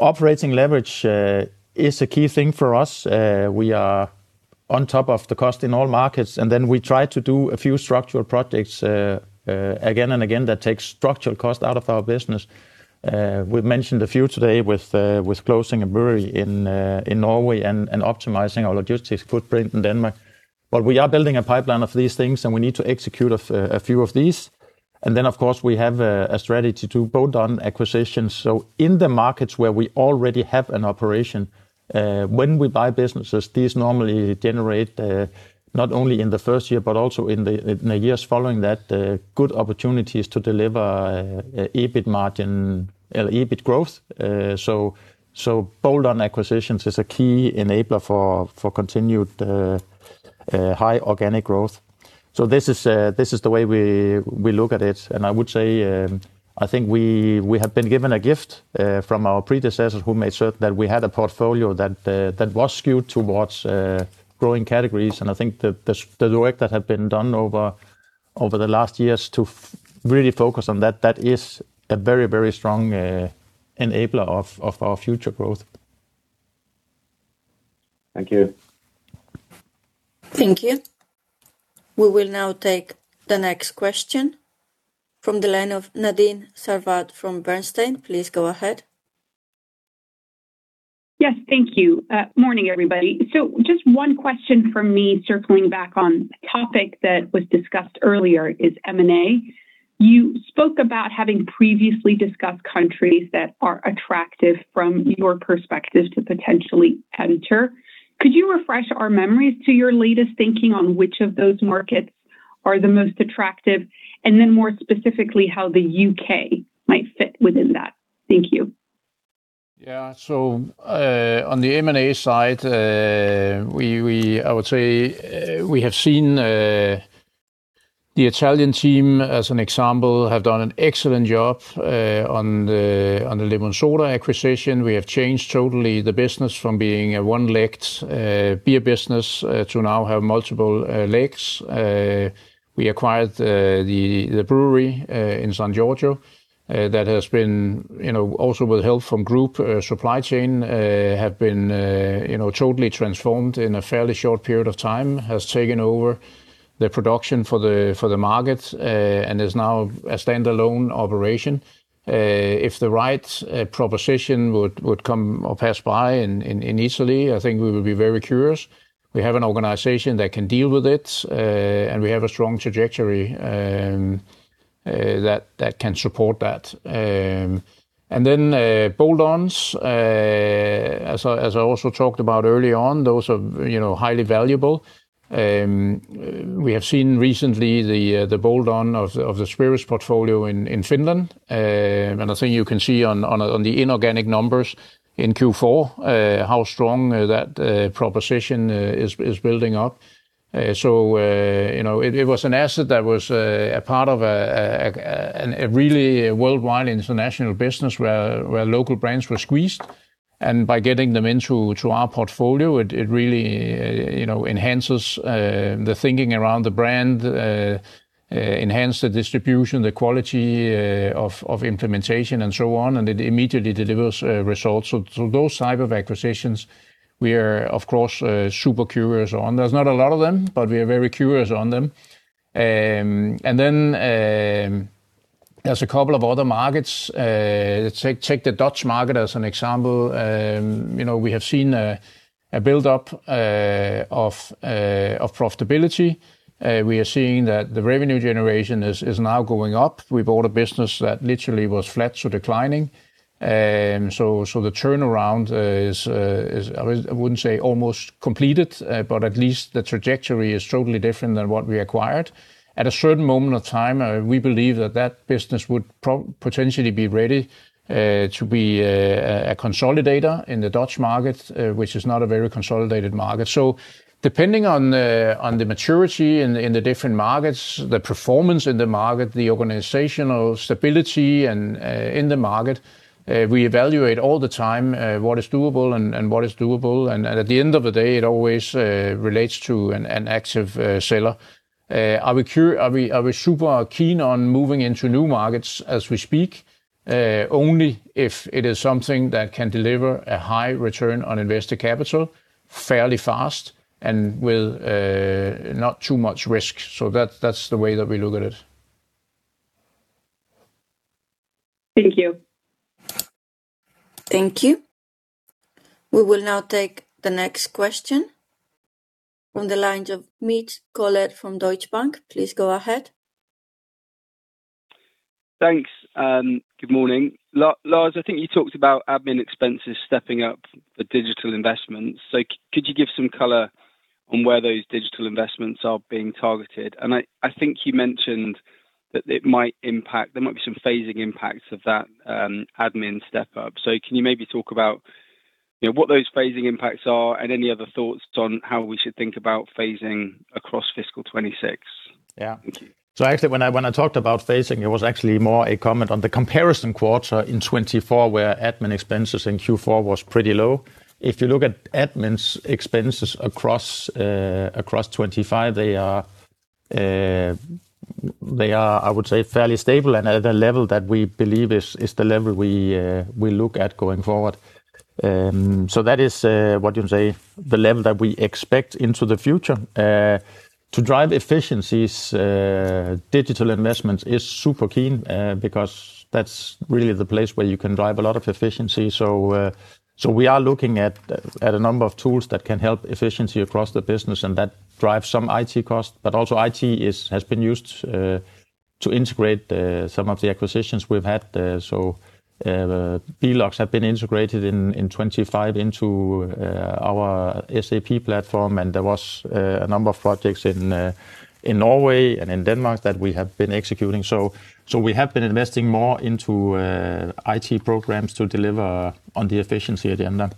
Operating leverage is a key thing for us. We are on top of the cost in all markets, then we try to do a few structural projects again and again, that takes structural cost out of our business. We've mentioned a few today with closing a brewery in Norway and optimizing our logistics footprint in Denmark. We are building a pipeline of these things, and we need to execute a few of these. Then, of course, we have a strategy to build on acquisitions. In the markets where we already have an operation, when we buy businesses, these normally generate not only in the first year, but also in the years following that, good opportunities to deliver EBIT margin... EBIT growth. Build on acquisitions is a key enabler for continued high organic growth. This is the way we look at it, and I would say, I think we have been given a gift from our predecessors who made sure that we had a portfolio that was skewed towards growing categories. I think the work that had been done over the last years to really focus on that is a very strong enabler of our future growth. Thank you. Thank you. We will now take the next question from the line of Nadine Sarwat from Bernstein. Please go ahead. Yes, thank you. Morning, everybody. Just one question from me, circling back on topic that was discussed earlier, is M&A. You spoke about having previously discussed countries that are attractive from your perspective to potentially enter. Could you refresh our memories to your latest thinking on which of those markets are the most attractive, and then more specifically, how the U.K. might fit within that? Thank you. On the M&A side, I would say, we have seen the Italian team, as an example, have done an excellent job on the Lemon Soda acquisition. We have changed totally the business from being a one-legged beer business to now have multiple legs. We acquired the brewery in San Giorgio that has been, you know, also with help from group supply chain, have been, you know, totally transformed in a fairly short period of time. Has taken over the production for the market and is now a standalone operation. If the right proposition would come or pass by in Italy, I think we would be very curious. ation that can deal with it, and we have a strong trajectory that can support that. And then, bolt-ons, as I also talked about early on, those are, you know, highly valuable. We have seen recently the bolt-on of the Spirits portfolio in Finland. And I think you can see on the inorganic numbers in Q4 how strong that proposition is building up You know, it was an asset that was a part of a really worldwide international business where local brands were squeezed, and by getting them into our portfolio, it really, you know, enhances the thinking around the brand, enhance the distribution, the quality of implementation, and so on, and it immediately delivers results. Those type of acquisitions, we are, of course, super curious on. There's not a lot of them, but we are very curious on them. There's a couple of other markets. Take the Dutch market as an example. You know, we have seen a build-up of profitability. We are seeing that the revenue generation is now going up. We bought a business that literally was flat to declining. The turnaround is, I wouldn't say almost completed, but at least the trajectory is totally different than what we acquired. At a certain moment of time, we believe that that business would potentially be ready to be a consolidator in the Dutch market, which is not a very consolidated market. Depending on the maturity in the different markets, the performance in the market, the organizational stability, and in the market, we evaluate all the time what is doable and what is doable. At the end of the day, it always relates to an active seller. Are we super keen on moving into new markets as we speak? Only if it is something that can deliver a high return on invested capital fairly fast and with not too much risk. That's the way that we look at it. Thank you. Thank you. We will now take the next question from the lines of Mitch Collett from Deutsche Bank. Please go ahead. Thanks. Good morning. Lars, I think you talked about admin expenses stepping up for digital investments. Could you give some color on where those digital investments are being targeted? I think you mentioned that it might impact there might be some phasing impacts of that admin step up. Can you maybe talk about, you know, what those phasing impacts are, and any other thoughts on how we should think about phasing across fiscal 2026? Yeah. Thank you. Actually, when I talked about phasing, it was actually more a comment on the comparison quarter in 2024, where admin's expenses in Q4 was pretty low. If you look at admin expenses across 2025, they are, I would say, fairly stable and at a level that we believe is the level we look at going forward. That is, what you say, the level that we expect into the future. To drive efficiencies, digital investments is super keen, because that's really the place where you can drive a lot of efficiency. We are looking at a number of tools that can help efficiency across the business, and that drives some IT costs, but also IT is, has been used, to integrate some of the acquisitions we've had. Benelux have been integrated in 25 into our SAP platform. There was a number of projects in Norway and in Denmark that we have been executing. We have been investing more into IT programs to deliver on the efficiency agenda.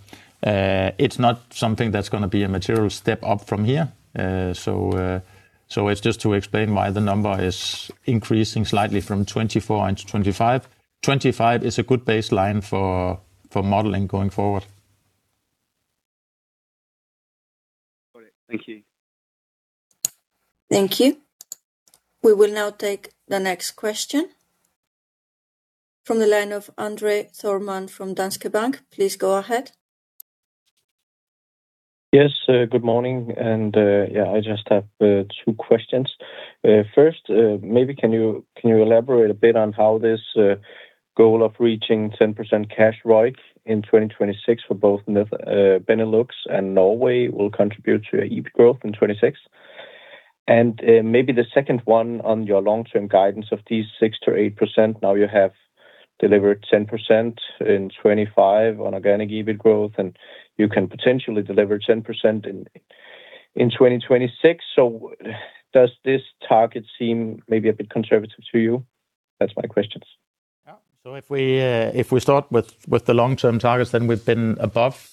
It's not something that's gonna be a material step up from here. It's just to explain why the number is increasing slightly from 24 into 25. 25 is a good baseline for modeling going forward. Got it. Thank you. Thank you. We will now take the next question from the line of André Thormann from Danske Bank. Please go ahead. Yes, good morning, yeah, I just have two questions. First, maybe can you elaborate a bit on how this goal of reaching 10% cash ROIC in 2026 for both the Benelux and Norway will contribute to EBIT growth in 2026? Maybe the second one on your long-term guidance of these 6%-8%. Now, you have delivered 10% in 2025 on organic EBIT growth, and you can potentially deliver 10% in 2026. Does this target seem maybe a bit conservative to you? That's my questions. Yeah. If we start with the long-term targets, then we've been above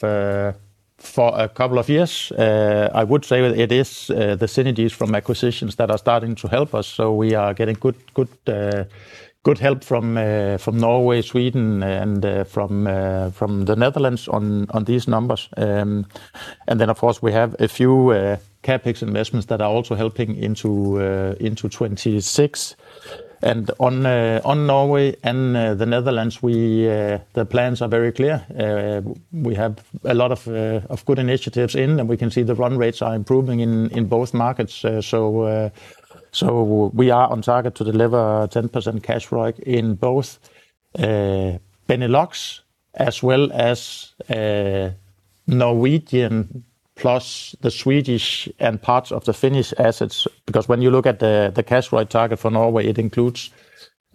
for a couple of years. I would say it is the synergies from acquisitions that are starting to help us. We are getting good help from Norway, Sweden, and from the Netherlands on these numbers. Then, of course, we have a few CapEx investments that are also helping into 2026. On Norway and the Netherlands, the plans are very clear. We have a lot of good initiatives in, and we can see the run rates are improving in both markets. We are on target to deliver 10% cash ROIC in both Benelux as well as Norwegian, plus the Swedish and parts of the Finnish assets, because when you look at the cash right target for Norway, it includes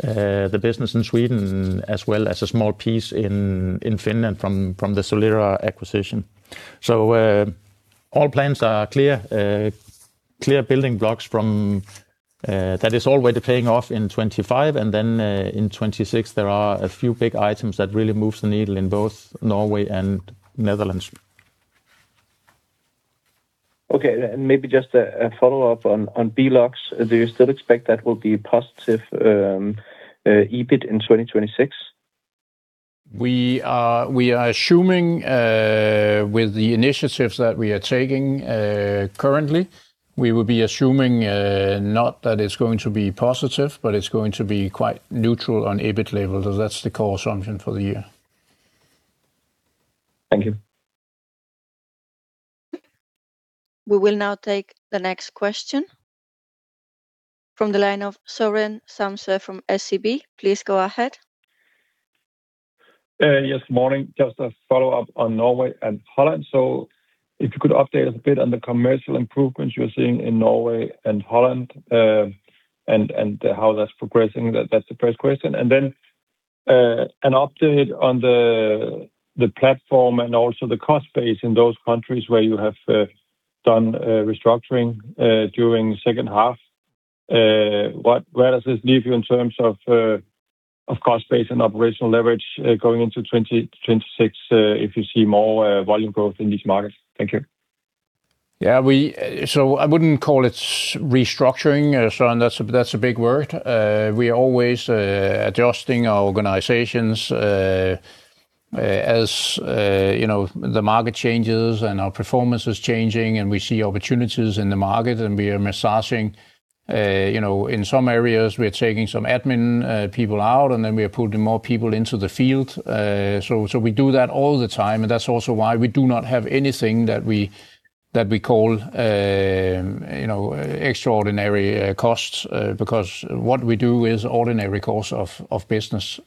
the business in Sweden as well as a small piece in Finland from the Solera acquisition. All plans are clear building blocks from, that is already paying off in 25, and then, in 26 there are a few big items that really moves the needle in both Norway and Netherlands. Okay, maybe just a follow-up on Benelux. Do you still expect that will be positive EBIT in 2026? We are assuming, with the initiatives that we are taking, currently, we will be assuming, not that it's going to be positive, but it's going to be quite neutral on EBIT level. That's the core assumption for the year. Thank you. We will now take the next question. From the line of Søren Samsøe from SEB. Please go ahead. Yes, morning. Just a follow-up on Norway and Holland. If you could update us a bit on the commercial improvements you're seeing in Norway and Holland, and how that's progressing. That's the first question. Then, an update on the platform and also the cost base in those countries where you have done restructuring during the second half. Where does this leave you in terms of cost base and operational leverage going into 2026 if you see more volume growth in these markets? Thank you. Yeah, I wouldn't call it restructuring, Søren, that's a big word. We are always adjusting our organizations, as, you know, the market changes and our performance is changing, and we see opportunities in the market, and we are massaging. You know, in some areas we are taking some admin people out, and then we are putting more people into the field. We do that all the time, and that's also why we do not have anything that we call, you know, extraordinary costs, because what we do is ordinary course of business.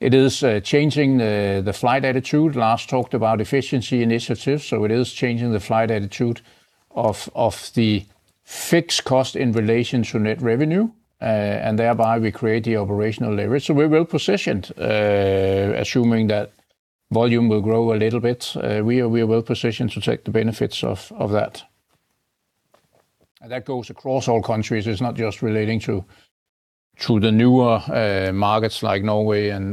It is changing the flight attitude. Lars talked about efficiency initiatives, so it is changing the flight attitude of the fixed cost in relation to net revenue, and thereby we create the operational leverage. We're well positioned, assuming that volume will grow a little bit, we are well positioned to take the benefits of that. That goes across all countries. It's not just relating to the newer markets like Norway and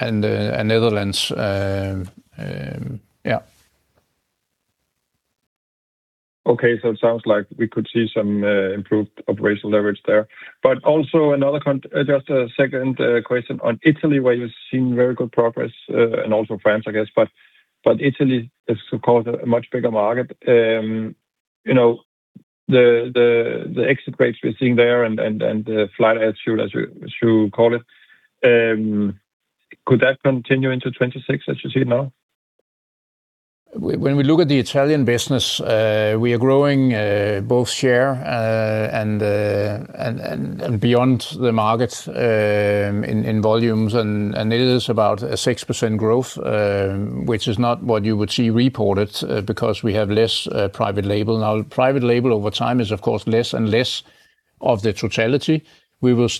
Netherlands. Yeah. It sounds like we could see some improved operational leverage there. Also another just a second question on Italy, where you've seen very good progress, and also France, I guess, but Italy is, of course, a much bigger market. You know, the exit rates we're seeing there and the flight attitude, as you call it, could that continue into 2026, as you see it now? When we look at the Italian business, we are growing both share and beyond the market in volumes, and it is about a 6% growth, which is not what you would see reported, because we have less private label. Now, private label over time is, of course, less and less of the totality. We will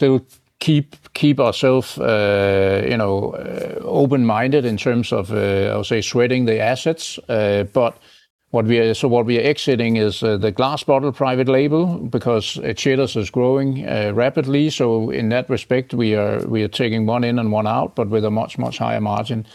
still keep ourself, you know, open-minded in terms of, I would say, sweating the assets. But what we are exiting is the glass bottle private label, because SHAKER is growing rapidly. In that respect, we are taking one in and one out, but with a much, much higher margin.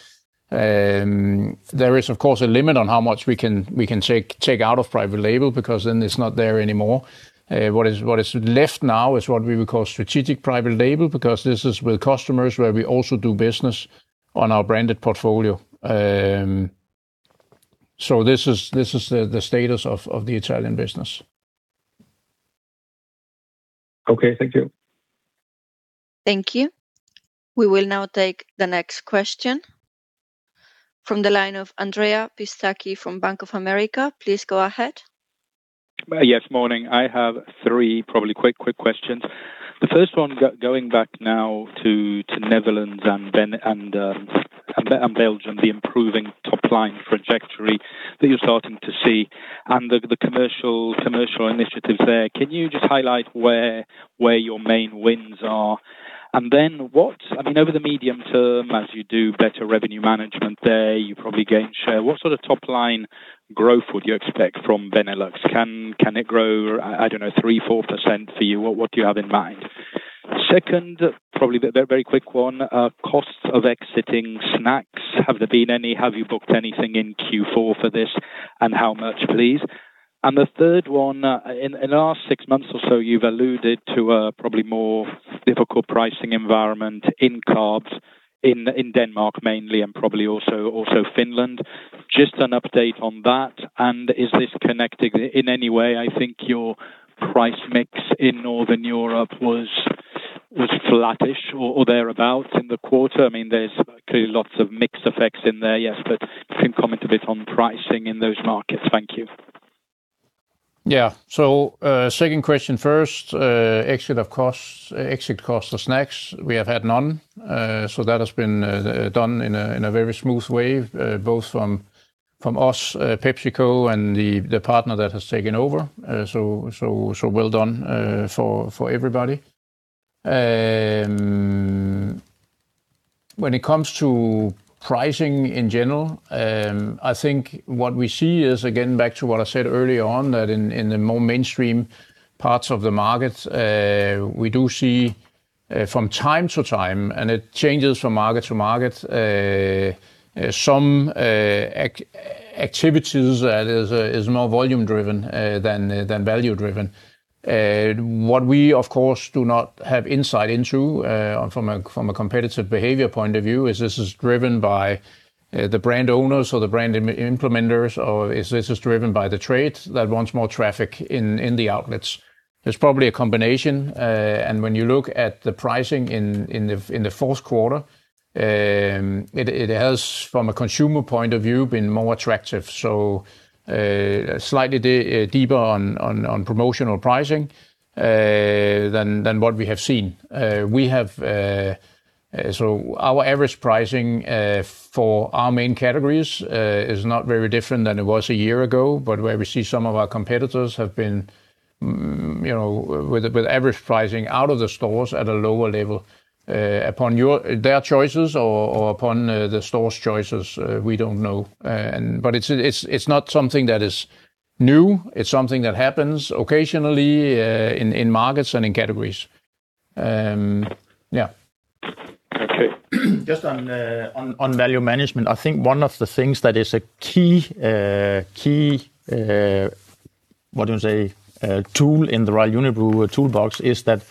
There is, of course, a limit on how much we can take out of private label, because then it's not there anymore. What is left now is what we would call strategic private label, because this is with customers where we also do business on our branded portfolio. This is the status of the Italian business. Okay. Thank you. Thank you. We will now take the next question. From the line of Andrea Pistacchi from Bank of America. Please go ahead. Yes, morning. I have 3 probably quick questions. The first one, going back now to Netherlands and Ben, and Belgium, the improving top-line trajectory that you're starting to see and the commercial initiatives there. Can you just highlight where your main wins are? What, I mean, over the medium term, as you do better revenue management there, you probably gain share. What sort of top-line growth would you expect from Benelux? Can it grow, I don't know, 3%-4% for you? What do you have in mind? Second, probably a very quick one. Costs of exiting snacks. Have there been any? Have you booked anything in Q4 for this, and how much, please? The third one, in the last 6 months or so, you've alluded to a probably more difficult pricing environment in CSDs in Denmark mainly, and probably also Finland. Just an update on that. Is this connected in any way? I think your price mix in Northern Europe was flattish or thereabout in the quarter. I mean, there's clearly lots of mix effects in there, yes. Can you comment a bit on pricing in those markets? Thank you. Yeah. Second question first, exit, of course, exit cost of snacks, we have had none. That has been done in a very smooth way, both from us, PepsiCo, and the partner that has taken over. So well done for everybody. When it comes to pricing in general, I think what we see is, again, back to what I said earlier on, that in the more mainstream parts of the markets, we do see from time to time, and it changes from market to market, some activities that is more volume driven than value driven. What we, of course, do not have insight into, from a competitive behavior point of view, is this driven by the brand owners or the brand implementers, or is this driven by the trade that wants more traffic in the outlets? There's probably a combination. When you look at the pricing in the fourth quarter, it has, from a consumer point of view, been more attractive. Slightly deeper on promotional pricing, than what we have seen. We have. Our average pricing for our main categories is not very different than it was a year ago, but where we see some of our competitors have been, you know, with average pricing out of the stores at a lower level, upon their choices or upon the stores' choices, we don't know. It's not something that is new, it's something that happens occasionally in markets and in categories. Yeah. Okay. Just on value management, I think one of the things that is a key, what do you say? Tool in the Royal Unibrew toolbox, is that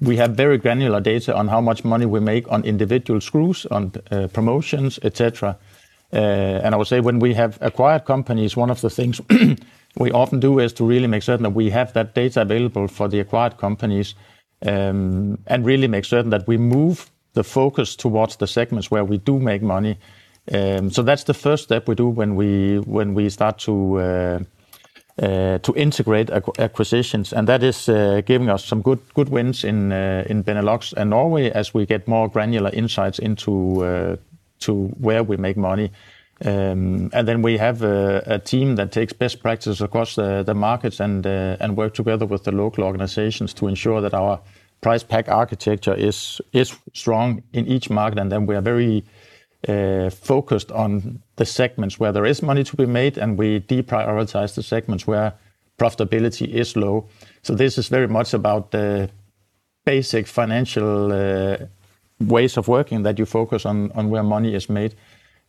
we have very granular data on how much money we make on individual SKUs, on promotions, et cetera. I would say when we have acquired companies, one of the things we often do is to really make certain that we have that data available for the acquired companies, and really make certain that we move the focus towards the segments where we do make money. That's the first step we do when we start to integrate acquisitions, that is giving us some good wins in Benelux and Norway as we get more granular insights into where we make money. Then we have a team that takes best practices across the markets and work together with the local organizations to ensure that our price/pack architecture is strong in each market. Then we are very focused on the segments where there is money to be made, and we deprioritize the segments where profitability is low. This is very much about the basic financial ways of working, that you focus on where money is made.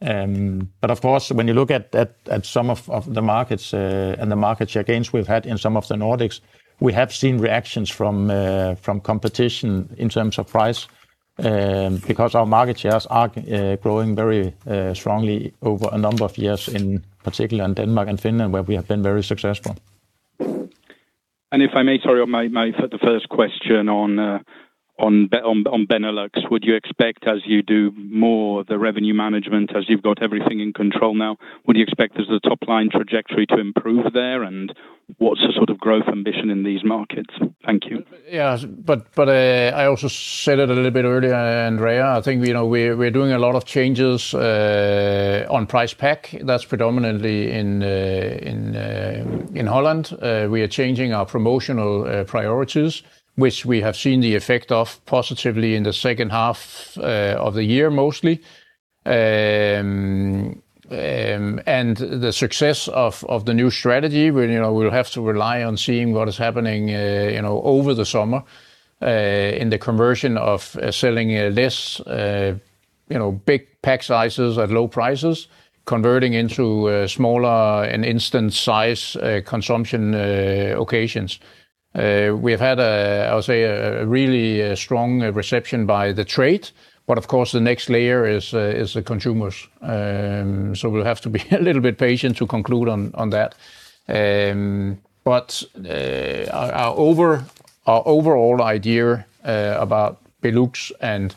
Of course, when you look at some of the markets, and the market share gains we've had in some of the Nordics, we have seen reactions from competition in terms of price, because our market shares are growing very strongly over a number of years, in particular in Denmark and Finland, where we have been very successful. If I may, sorry, on my. The first question on Benelux, would you expect, as you do more the revenue management, as you've got everything in control now, would you expect there's the top-line trajectory to improve there? What's the sort of growth ambition in these markets? Thank you. Yeah, but I also said it a little bit earlier, Andrea, I think, you know, we're doing a lot of changes on price pack that's predominantly in Holland. We are changing our promotional priorities, which we have seen the effect of positively in the second half of the year, mostly. The success of the new strategy where, you know, we'll have to rely on seeing what is happening, you know, over the summer, in the conversion of selling less, you know, big pack sizes at low prices, converting into smaller and instant size consumption occasions. We've had, I would say, a really strong reception by the trade, but of course, the next layer is the consumers. We'll have to be a little bit patient to conclude on that. Our overall idea about Benelux and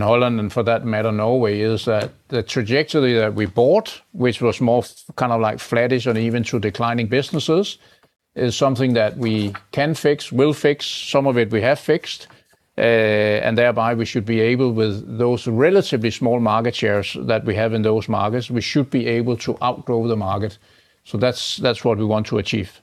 Holland, and for that matter, Norway, is that the trajectory that we bought, which was more kind of like flattish and even through declining businesses, is something that we can fix, will fix, some of it we have fixed. Thereby, we should be able, with those relatively small market shares that we have in those markets, we should be able to outgrow the market. That's, that's what we want to achieve.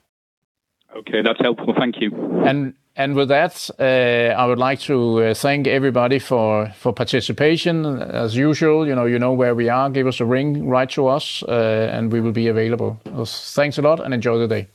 Okay, that's helpful. Thank you. With that, I would like to thank everybody for participation. As usual, you know where we are. Give us a ring, write to us, and we will be available. Thanks a lot, and enjoy the day.